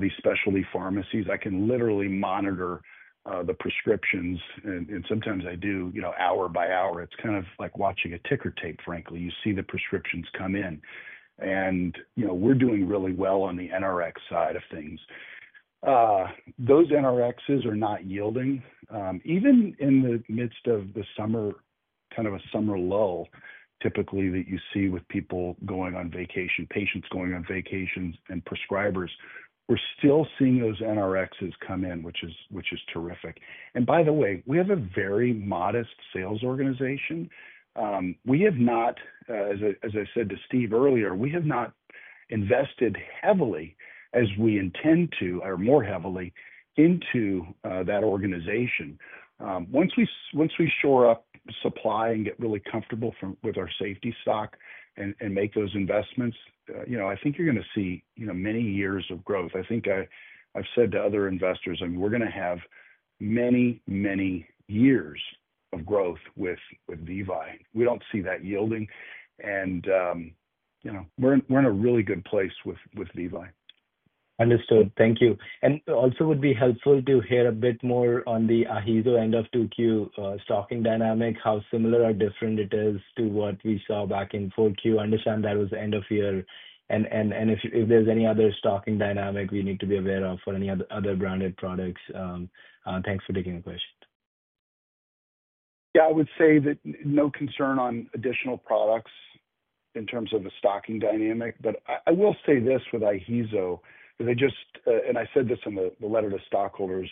these specialty pharmacies. I can literally monitor the prescriptions, and sometimes I do, you know, hour by hour. It's kind of like watching a ticker tape, frankly. You see the prescriptions come in, and you know, we're doing really well on the NRX side of things. Those NRXs are not yielding. Even in the midst of the summer, kind of a summer low, typically that you see with people going on vacation, patients going on vacations, and prescribers, we're still seeing those NRXs come in, which is terrific. By the way, we have a very modest sales organization. We have not, as I said to Steve earlier, we have not invested heavily as we intend to, or more heavily into that organization. Once we shore up supply and get really comfortable with our safety stock and make those investments, you know, I think you're going to see, you know, many years of growth. I think I've said to other investors, I mean, we're going to have many, many years of growth with VEVYE. We don't see that yielding, and you know, we're in a really good place with VEVYE. Understood. Thank you. It would also be helpful to hear a bit more on the IHEEZO end of 2Q stocking dynamic, how similar or different it is to what we saw back in 4Q. I understand that was the end of year, and if there's any other stocking dynamic we need to be aware of for any other branded products. Thanks for taking the question. Yeah, I would say that no concern on additional products in terms of a stocking dynamic, but I will say this with IHEEZO, because I just, and I said this in the letter to stockholders,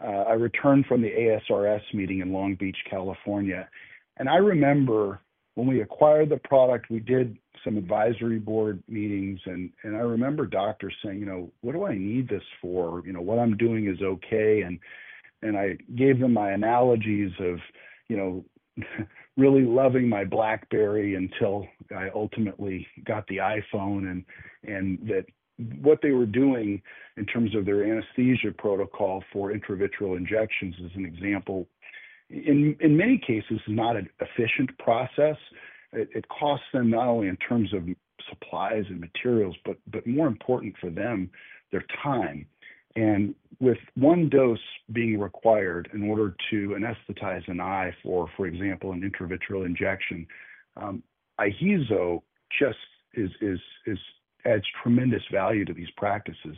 I returned from the ASRS meeting in Long Beach, California, and I remember when we acquired the product, we did some advisory board meetings, and I remember doctors saying, you know, what do I need this for? You know, what I'm doing is okay, and I gave them my analogies of, you know, really loving my BlackBerry until I ultimately got the iPhone, and that what they were doing in terms of their anesthesia protocol for intravitreal injections is an example. In many cases, it's not an efficient process. It costs them not only in terms of supplies and materials, but more important for them, their time. With one dose being required in order to anesthetize an eye for, for example, an intravitreal injection, IHEEZO just adds tremendous value to these practices.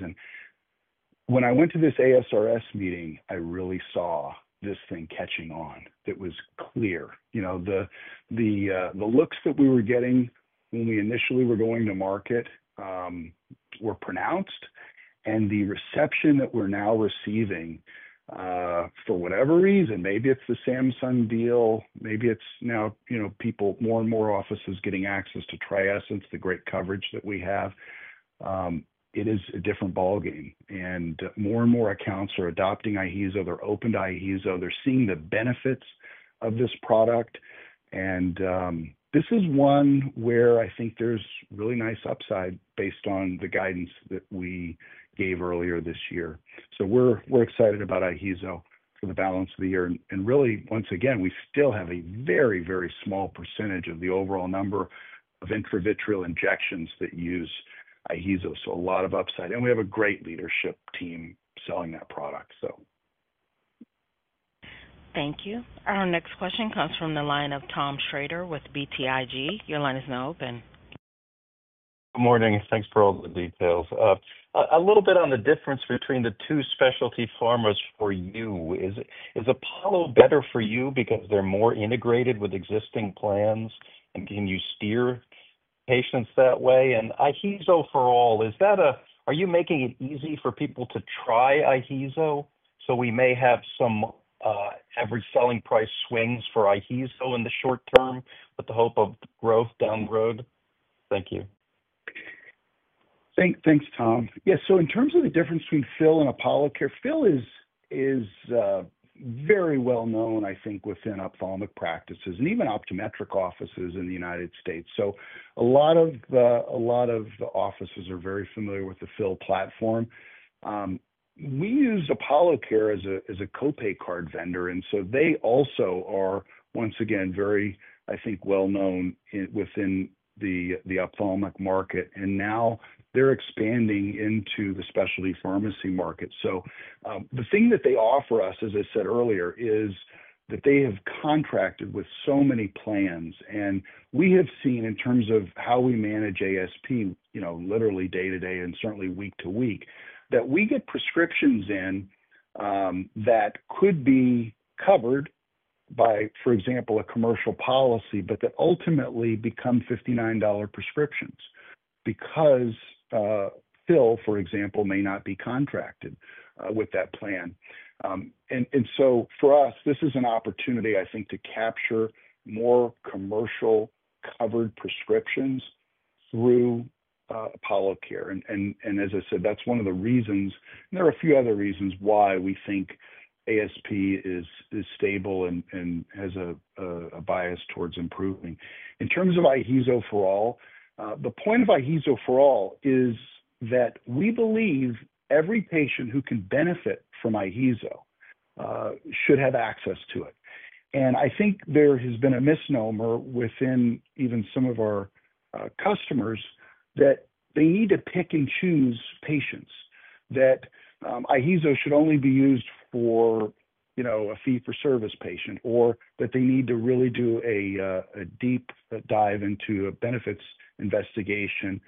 When I went to this ASRS meeting, I really saw this thing catching on. It was clear. The looks that we were getting when we initially were going to market were pronounced, and the reception that we're now receiving, for whatever reason, maybe it's the Samsung Bioepis deal, maybe it's now, you know, people, more and more offices getting access to TRIESENCE, the great coverage that we have, it is a different ballgame. More and more accounts are adopting IHEEZO, they're open to IHEEZO, they're seeing the benefits of this product, and this is one where I think there's really nice upside based on the guidance that we gave earlier this year. We're excited about IHEEZO for the balance of the year. Once again, we still have a very, very small percentage of the overall number of intravitreal injections that use IHEEZO, so a lot of upside. We have a great leadership team selling that product. Thank you. Our next question comes from the line of Tom Schrader with BTIG. Your line is now open. Good morning. Thanks for all the details. A little bit on the difference between the two specialty pharmas for you. Is Apollo Care better for you because they're more integrated with existing plans, and can you steer patients that way? Is IHEEZO for all, are you making it easy for people to try IHEEZO? We may have some average selling price swings for IHEEZO in the short term with the hope of growth down the road. Thank you. Thanks, Tom. Yeah, so in terms of the difference between PHIL and Apollo Care, PHIL is very well known, I think, within ophthalmic practices and even optometric offices in the United States. A lot of the offices are very familiar with the PHIL platform. We use Apollo Care as a copay card vendor, and they also are, once again, very, I think, well known within the ophthalmic market. Now they're expanding into the specialty pharmacy market. The thing that they offer us, as I said earlier, is that they have contracted with so many plans. We have seen in terms of how we manage ASP, literally day to day and certainly week to week, that we get prescriptions in that could be covered by, for example, a commercial policy, but that ultimately become $59 prescriptions because PHIL, for example, may not be contracted with that plan. For us, this is an opportunity, I think, to capture more commercial covered prescriptions through Apollo Care. As I said, that's one of the reasons, and there are a few other reasons why we think ASP is stable and has a bias towards improving. In terms of IHEEZO for all, the point of IHEEZO for all is that we believe every patient who can benefit from IHEEZO should have access to it. I think there has been a misnomer within even some of our customers that they need to pick and choose patients, that IHEEZO should only be used for, you know, a fee-for-service patient, or that they need to really do a deep dive into a benefits investigation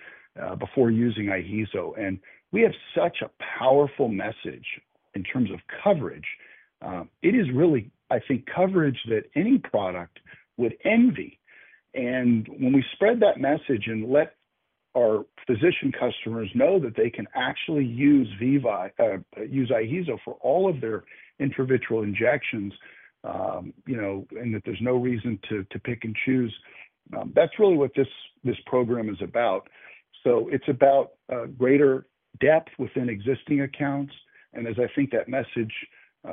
before using IHEEZO. We have such a powerful message in terms of coverage. It is really, I think, coverage that any product would envy. When we spread that message and let our physician customers know that they can actually use, use IHEEZO for all of their intravitreal injections, you know, and that there's no reason to pick and choose, that's really what this program is about. It's about greater depth within existing accounts. As I think that message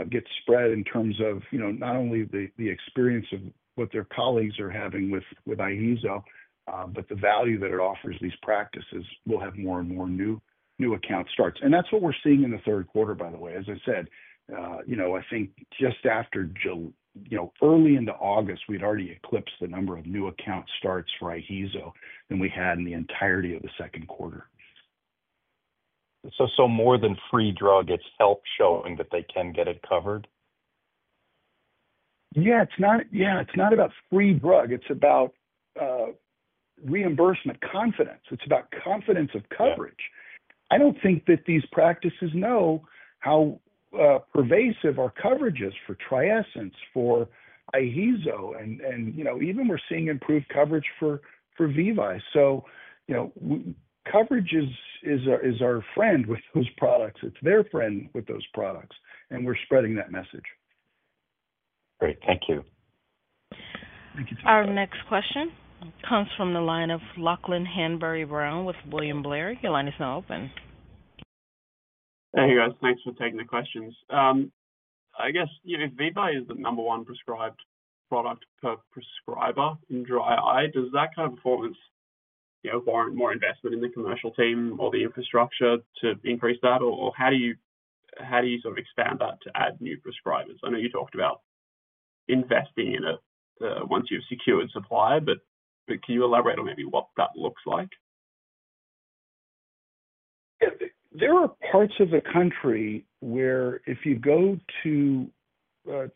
gets spread in terms of, you know, not only the experience of what their colleagues are having with IHEEZO, but the value that it offers, these practices will have more and more new account starts. That's what we're seeing in the third quarter, by the way. As I said, I think just after, you know, early into August, we'd already eclipsed the number of new account starts for IHEEZO than we had in the entirety of the second quarter. More than free drug, it's help showing that they can get it covered? Yeah, it's not about free drug. It's about reimbursement confidence. It's about confidence of coverage. I don't think that these practices know how pervasive our coverage is for TRIESENCE, for IHEEZO, and, you know, even we're seeing improved coverage for VEVYE. Coverage is our friend with those products. It's their friend with those products, and we're spreading that message. Great. Thank you. Thank you. Our next question comes from the line of Lachlan Hanbury-Brown with William Blair. Your line is now open. Hey, guys. Thanks for taking the questions. I guess, you know, if VEVYE is the number one prescribed product per prescriber in dry eye, does that kind of performance warrant more investment in the commercial team or the infrastructure to increase that, or how do you sort of expand that to add new prescribers? I know you talked about investing in it once you've secured supplier, but can you elaborate on maybe what that looks like? Yeah, there are parts of the country where if you go to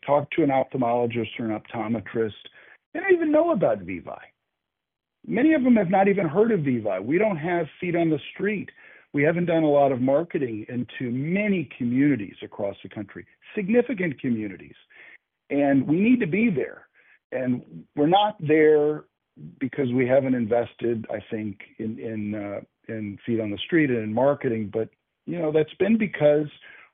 talk to an ophthalmologist or an optometrist, they don't even know about VEVYE. Many of them have not even heard of VEVYE. We don't have feet on the street. We haven't done a lot of marketing into many communities across the country, significant communities, and we need to be there. We're not there because we haven't invested, I think, in feet on the street and in marketing, but you know, that's been because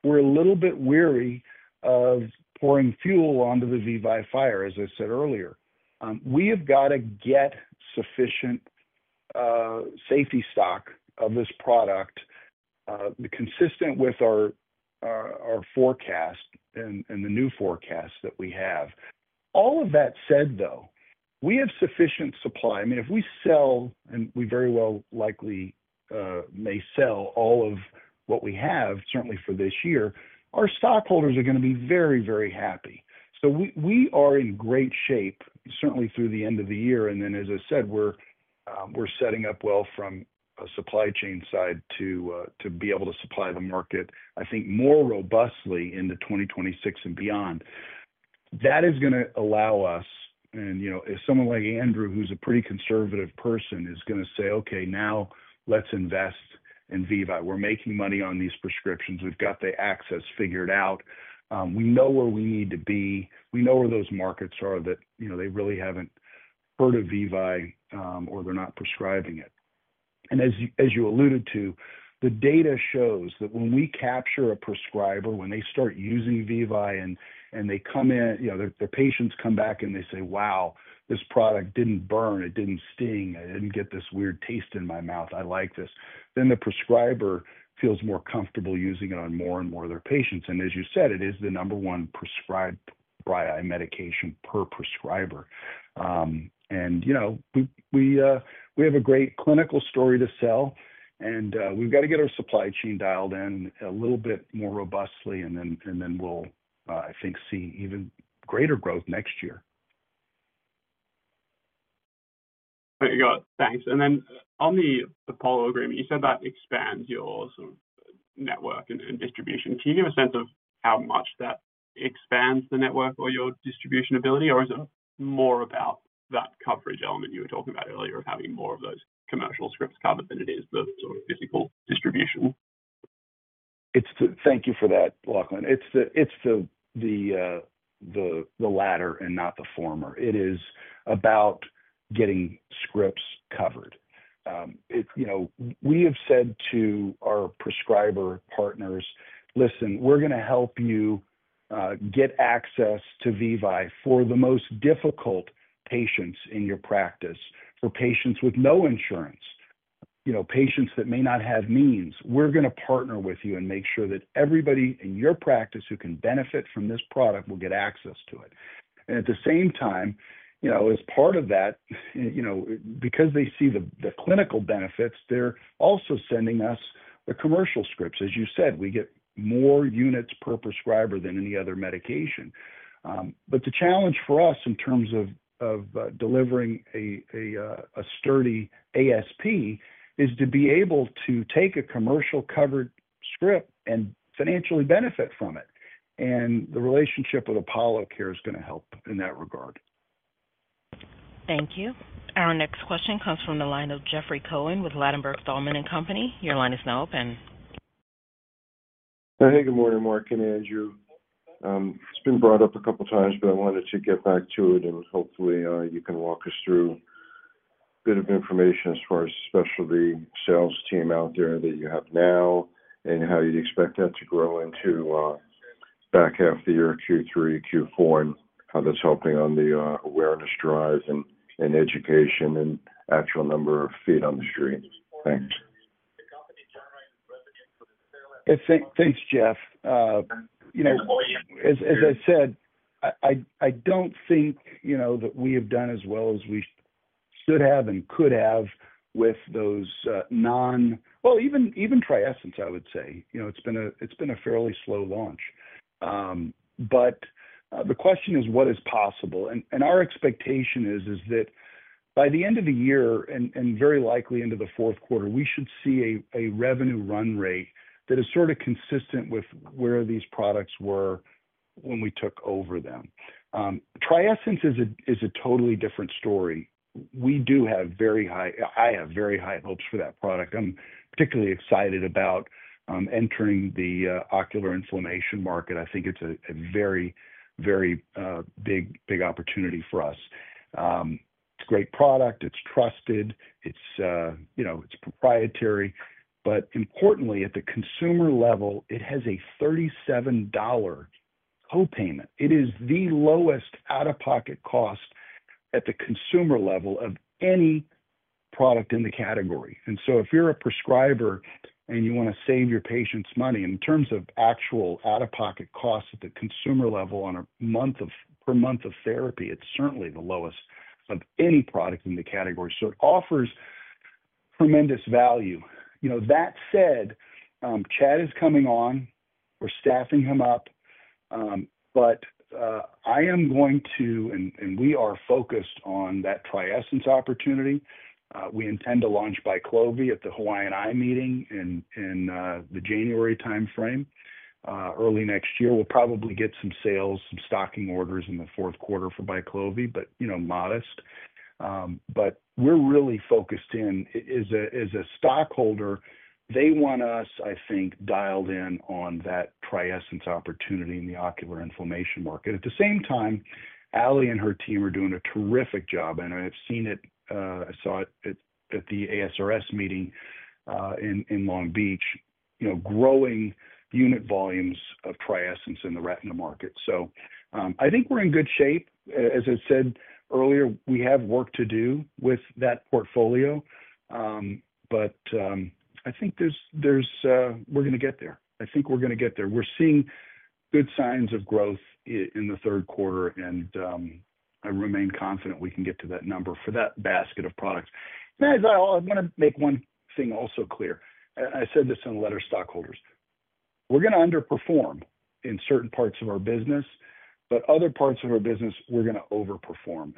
we're a little bit weary of pouring fuel onto the VEVYE fire, as I said earlier. We have got to get sufficient safety stock of this product consistent with our forecast and the new forecast that we have. All of that said, though, we have sufficient supply. I mean, if we sell, and we very well likely may sell all of what we have, certainly for this year, our stockholders are going to be very, very happy. We are in great shape, certainly through the end of the year. As I said, we're setting up well from a supply chain side to be able to supply the market, I think, more robustly into 2026 and beyond. That is going to allow us, and you know, if someone like Andrew, who's a pretty conservative person, is going to say, okay, now let's invest in VEVYE. We're making money on these prescriptions. We've got the access figured out. We know where we need to be. We know where those markets are that, you know, they really haven't heard of VEVYE or they're not prescribing it. As you alluded to, the data shows that when we capture a prescriber, when they start using VEVYE and they come in, you know, their patients come back and they say, wow, this product didn't burn, it didn't sting, I didn't get this weird taste in my mouth, I like this, then the prescriber feels more comfortable using it on more and more of their patients. As you said, it is the number one prescribed dry eye medication per prescriber. You know, we have a great clinical story to sell, and we've got to get our supply chain dialed in a little bit more robustly, and then we'll, I think, see even greater growth next year. Thanks. On the Apollo Care agreement, you said that expands your network and distribution. Can you give a sense of how much that expands the network or your distribution ability, or is it more about that coverage element you were talking about earlier of having more of those commercial scripts covered than it is the sort of physical distribution? Thank you for that, Lachlan. It's the latter and not the former. It is about getting scripts covered. We have said to our prescriber partners, listen, we're going to help you get access to VEVYE for the most difficult patients in your practice, for patients with no insurance, patients that may not have means. We're going to partner with you and make sure that everybody in your practice who can benefit from this product will get access to it. At the same time, as part of that, because they see the clinical benefits, they're also sending us the commercial scripts. As you said, we get more units per prescriber than any other medication. The challenge for us in terms of delivering a sturdy ASP is to be able to take a commercial covered script and financially benefit from it. The relationship with Apollo Care is going to help in that regard. Thank you. Our next question comes from the line of Jeffrey Cohen with Ladenburg Thalman and Company. Your line is now open. Hey, good morning, Mark and Andrew. It's been brought up a couple of times, but I wanted to get back to it, and hopefully, you can walk us through a bit of information as far as the specialty sales team out there that you have now and how you'd expect that to grow into back half the year Q3, Q4, and how that's helping on the awareness drive and education and actual number of feet on the street. Thanks. Thanks, Jeff. As I said, I don't think that we have done as well as we should have and could have with those non, well, even TRIESENCE, I would say. It's been a fairly slow launch. The question is, what is possible? Our expectation is that by the end of the year and very likely into the fourth quarter, we should see a revenue run rate that is sort of consistent with where these products were when we took over them. TRIESENCE is a totally different story. I have very high hopes for that product. I'm particularly excited about entering the ocular inflammation market. I think it's a very, very big opportunity for us. It's a great product. It's trusted. It's proprietary. Importantly, at the consumer level, it has a $37 copayment. It is the lowest out-of-pocket cost at the consumer level of any product in the category. If you're a prescriber and you want to save your patients' money in terms of actual out-of-pocket costs at the consumer level per month of therapy, it's certainly the lowest of any product in the category. It offers tremendous value. Chad is coming on. We're staffing him up. I am going to, and we are focused on that TRIESENCE opportunity. We intend to launch BYQLOVI at the Hawaiian Eye Meeting in the January timeframe. Early next year, we'll probably get some sales, some stocking orders in the fourth quarter for BYQLOVI, but modest. We're really focused in, as a stockholder, they want us, I think, dialed in on that TRIESENCE opportunity in the ocular inflammation market. At the same time, Allie and her team are doing a terrific job. I have seen it, I saw it at the ASRS meeting in Long Beach, growing unit volumes of TRIESENCE in the retina market. I think we're in good shape. As I said earlier, we have work to do with that portfolio. I think we're going to get there. I think we're going to get there. We're seeing good signs of growth in the third quarter, and I remain confident we can get to that number for that basket of products. I want to make one thing also clear. I said this in a letter to stockholders. We're going to underperform in certain parts of our business, but other parts of our business, we're going to overperform.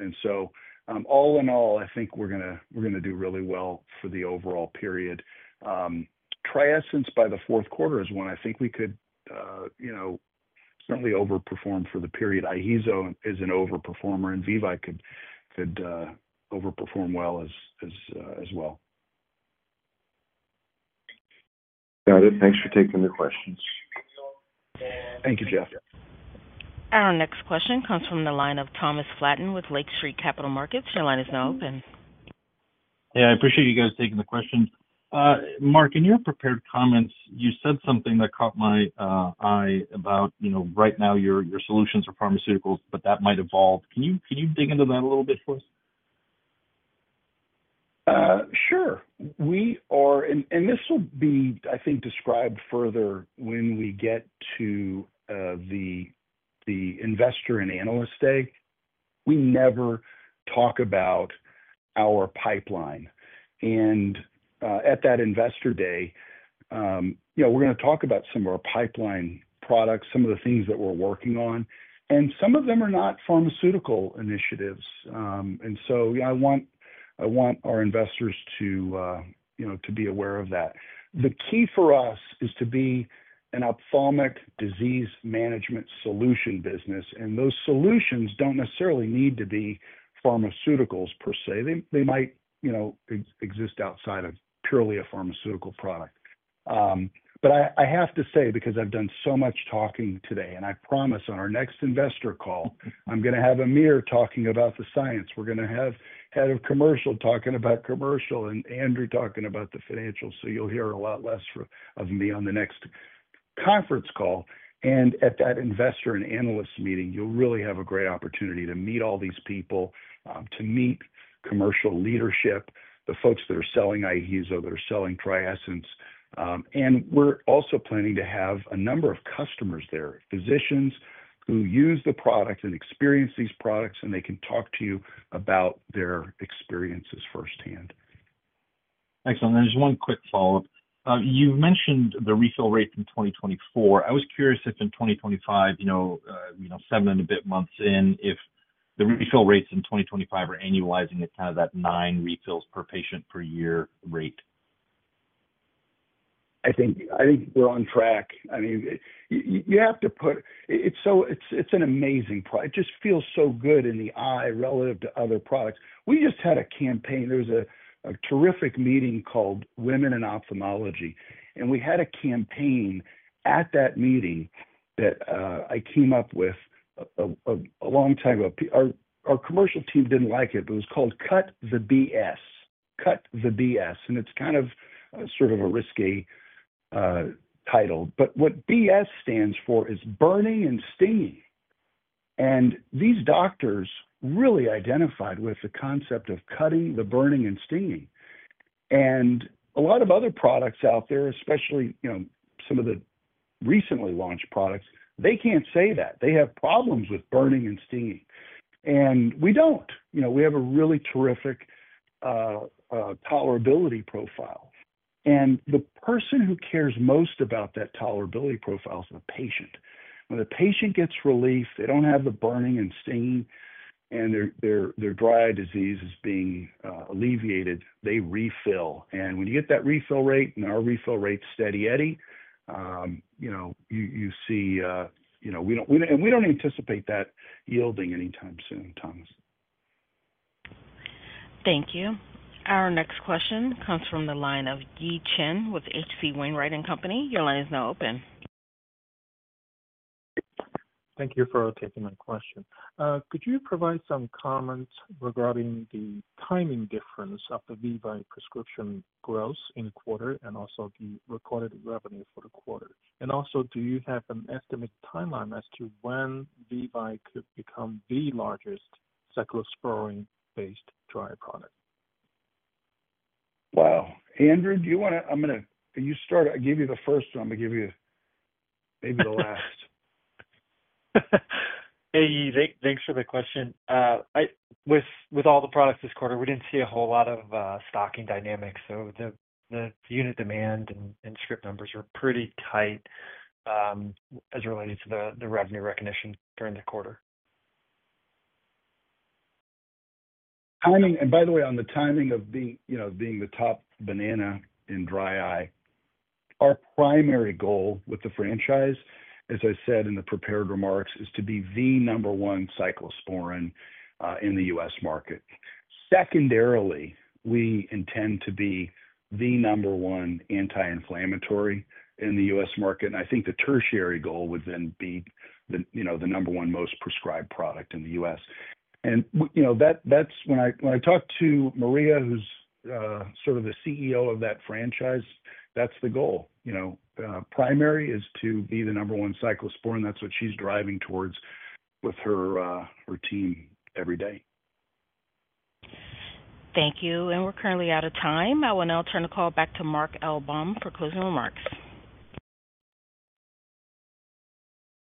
All in all, I think we're going to do really well for the overall period. TRIESENCE by the fourth quarter is when I think we could certainly overperform for the period. IHEEZO is an overperformer, and VEVYE could overperform as well. Got it. Thanks for taking the questions. Thank you, Jeff. Our next question comes from the line of Thomas Flaten with Lake Street Capital Markets. Your line is now open. Yeah, I appreciate you guys taking the question. Mark, in your prepared comments, you said something that caught my eye about, you know, right now your solutions are pharmaceuticals, but that might evolve. Can you dig into that a little bit for us? Sure. We are, and this will be, I think, described further when we get to the investor and analyst day. We never talk about our pipeline. At that investor day, you know, we're going to talk about some of our pipeline products, some of the things that we're working on. Some of them are not pharmaceutical initiatives. I want our investors to, you know, to be aware of that. The key for us is to be an ophthalmic disease management solution business. Those solutions don't necessarily need to be pharmaceuticals per se. They might, you know, exist outside of purely a pharmaceutical product. I have to say, because I've done so much talking today, and I promise on our next investor call, I'm going to have Amir talking about the science. We're going to have Head of Commercial talking about commercial and Andrew talking about the financials. You'll hear a lot less of me on the next conference call. At that investor and analyst meeting, you'll really have a great opportunity to meet all these people, to meet commercial leadership, the folks that are selling IHEEZO, that are selling TRIESENCE. We're also planning to have a number of customers there, physicians who use the product and experience these products, and they can talk to you about their experiences firsthand. Excellent. There's one quick follow-up. You mentioned the refill rate in 2024. I was curious if in 2025, you know, seven and a bit months in, if the refill rates in 2025 are annualizing at kind of that nine refills per patient per year rate. I think we're on track. I mean, you have to put, it's so, it's an amazing product. It just feels so good in the eye relative to other products. We just had a campaign. There was a terrific meeting called Women in Ophthalmology. We had a campaign at that meeting that I came up with a long time ago. Our commercial team didn't like it, but it was called Cut the BS. Cut the BS. It's kind of sort of a risky title. What BS stands for is burning and stinging. These doctors really identified with the concept of cutting the burning and stinging. A lot of other products out there, especially, you know, some of the recently launched products, they can't say that. They have problems with burning and stinging. We don't. We have a really terrific tolerability profile. The person who cares most about that tolerability profile is the patient. When the patient gets relief, they don't have the burning and stinging, and they're dry. Disease. is being alleviated, they refill. When you get that refill rate, and our refill rate is steady eddy, you know, you see, you know, we don't, and we don't anticipate that yielding anytime soon, Thomas. Thank you. Our next question comes from the line of Yi Chen with HC Wainwright & Company. Your line is now open. Thank you for taking that question. Could you provide some comments regarding the timing difference of the VEVYE prescription growth in the quarter and also the recorded revenue for the quarter? Also, do you have an estimated timeline as to when VEVYE could become the largest cyclosporine-based dry product? Wow. Andrew, do you want to, I'm going to let you start. I gave you the first one. I'm going to give you maybe the last. Hey, thanks for the question. With all the products this quarter, we didn't see a whole lot of stocking dynamics. The unit demand and strip numbers were pretty tight as it related to the revenue recognition during the quarter. Timing, and by the way, on the timing of being the top banana in dry eye, our primary goal with the franchise, as I said in the prepared remarks, is to be the number one cyclosporin in the U.S. market. Secondarily, we intend to be the number one anti-inflammatory in the U.S. market. I think the tertiary goal would then be the number one most prescribed product in the U.S. When I talk to Maria, who's sort of the CEO of that franchise, that's the goal. Primary is to be the number one cyclosporin. That's what she's driving towards with her team every day. Thank you. We're currently out of time. I will now turn the call back to Mark L. Baum for closing remarks.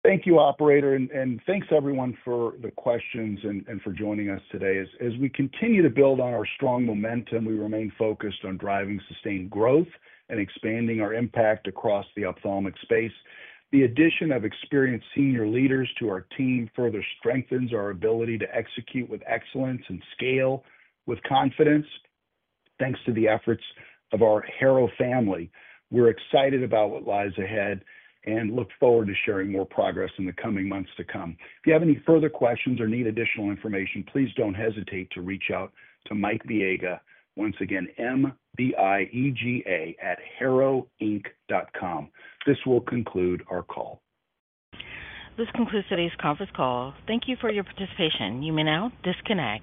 Thank you, operator. Thank you, everyone, for the questions and for joining us today. As we continue to build on our strong momentum, we remain focused on driving sustained growth and expanding our impact across the ophthalmic space. The addition of experienced senior leaders to our team further strengthens our ability to execute with excellence and scale with confidence. Thanks to the efforts of our Harrow family, we're excited about what lies ahead and look forward to sharing more progress in the coming months. If you have any further questions or need additional information, please don't hesitate to reach out to Mike Biega, once again, M-B-I-E-G-A at harrowinc.com. This will conclude our call. This concludes today's conference call. Thank you for your participation. You may now disconnect.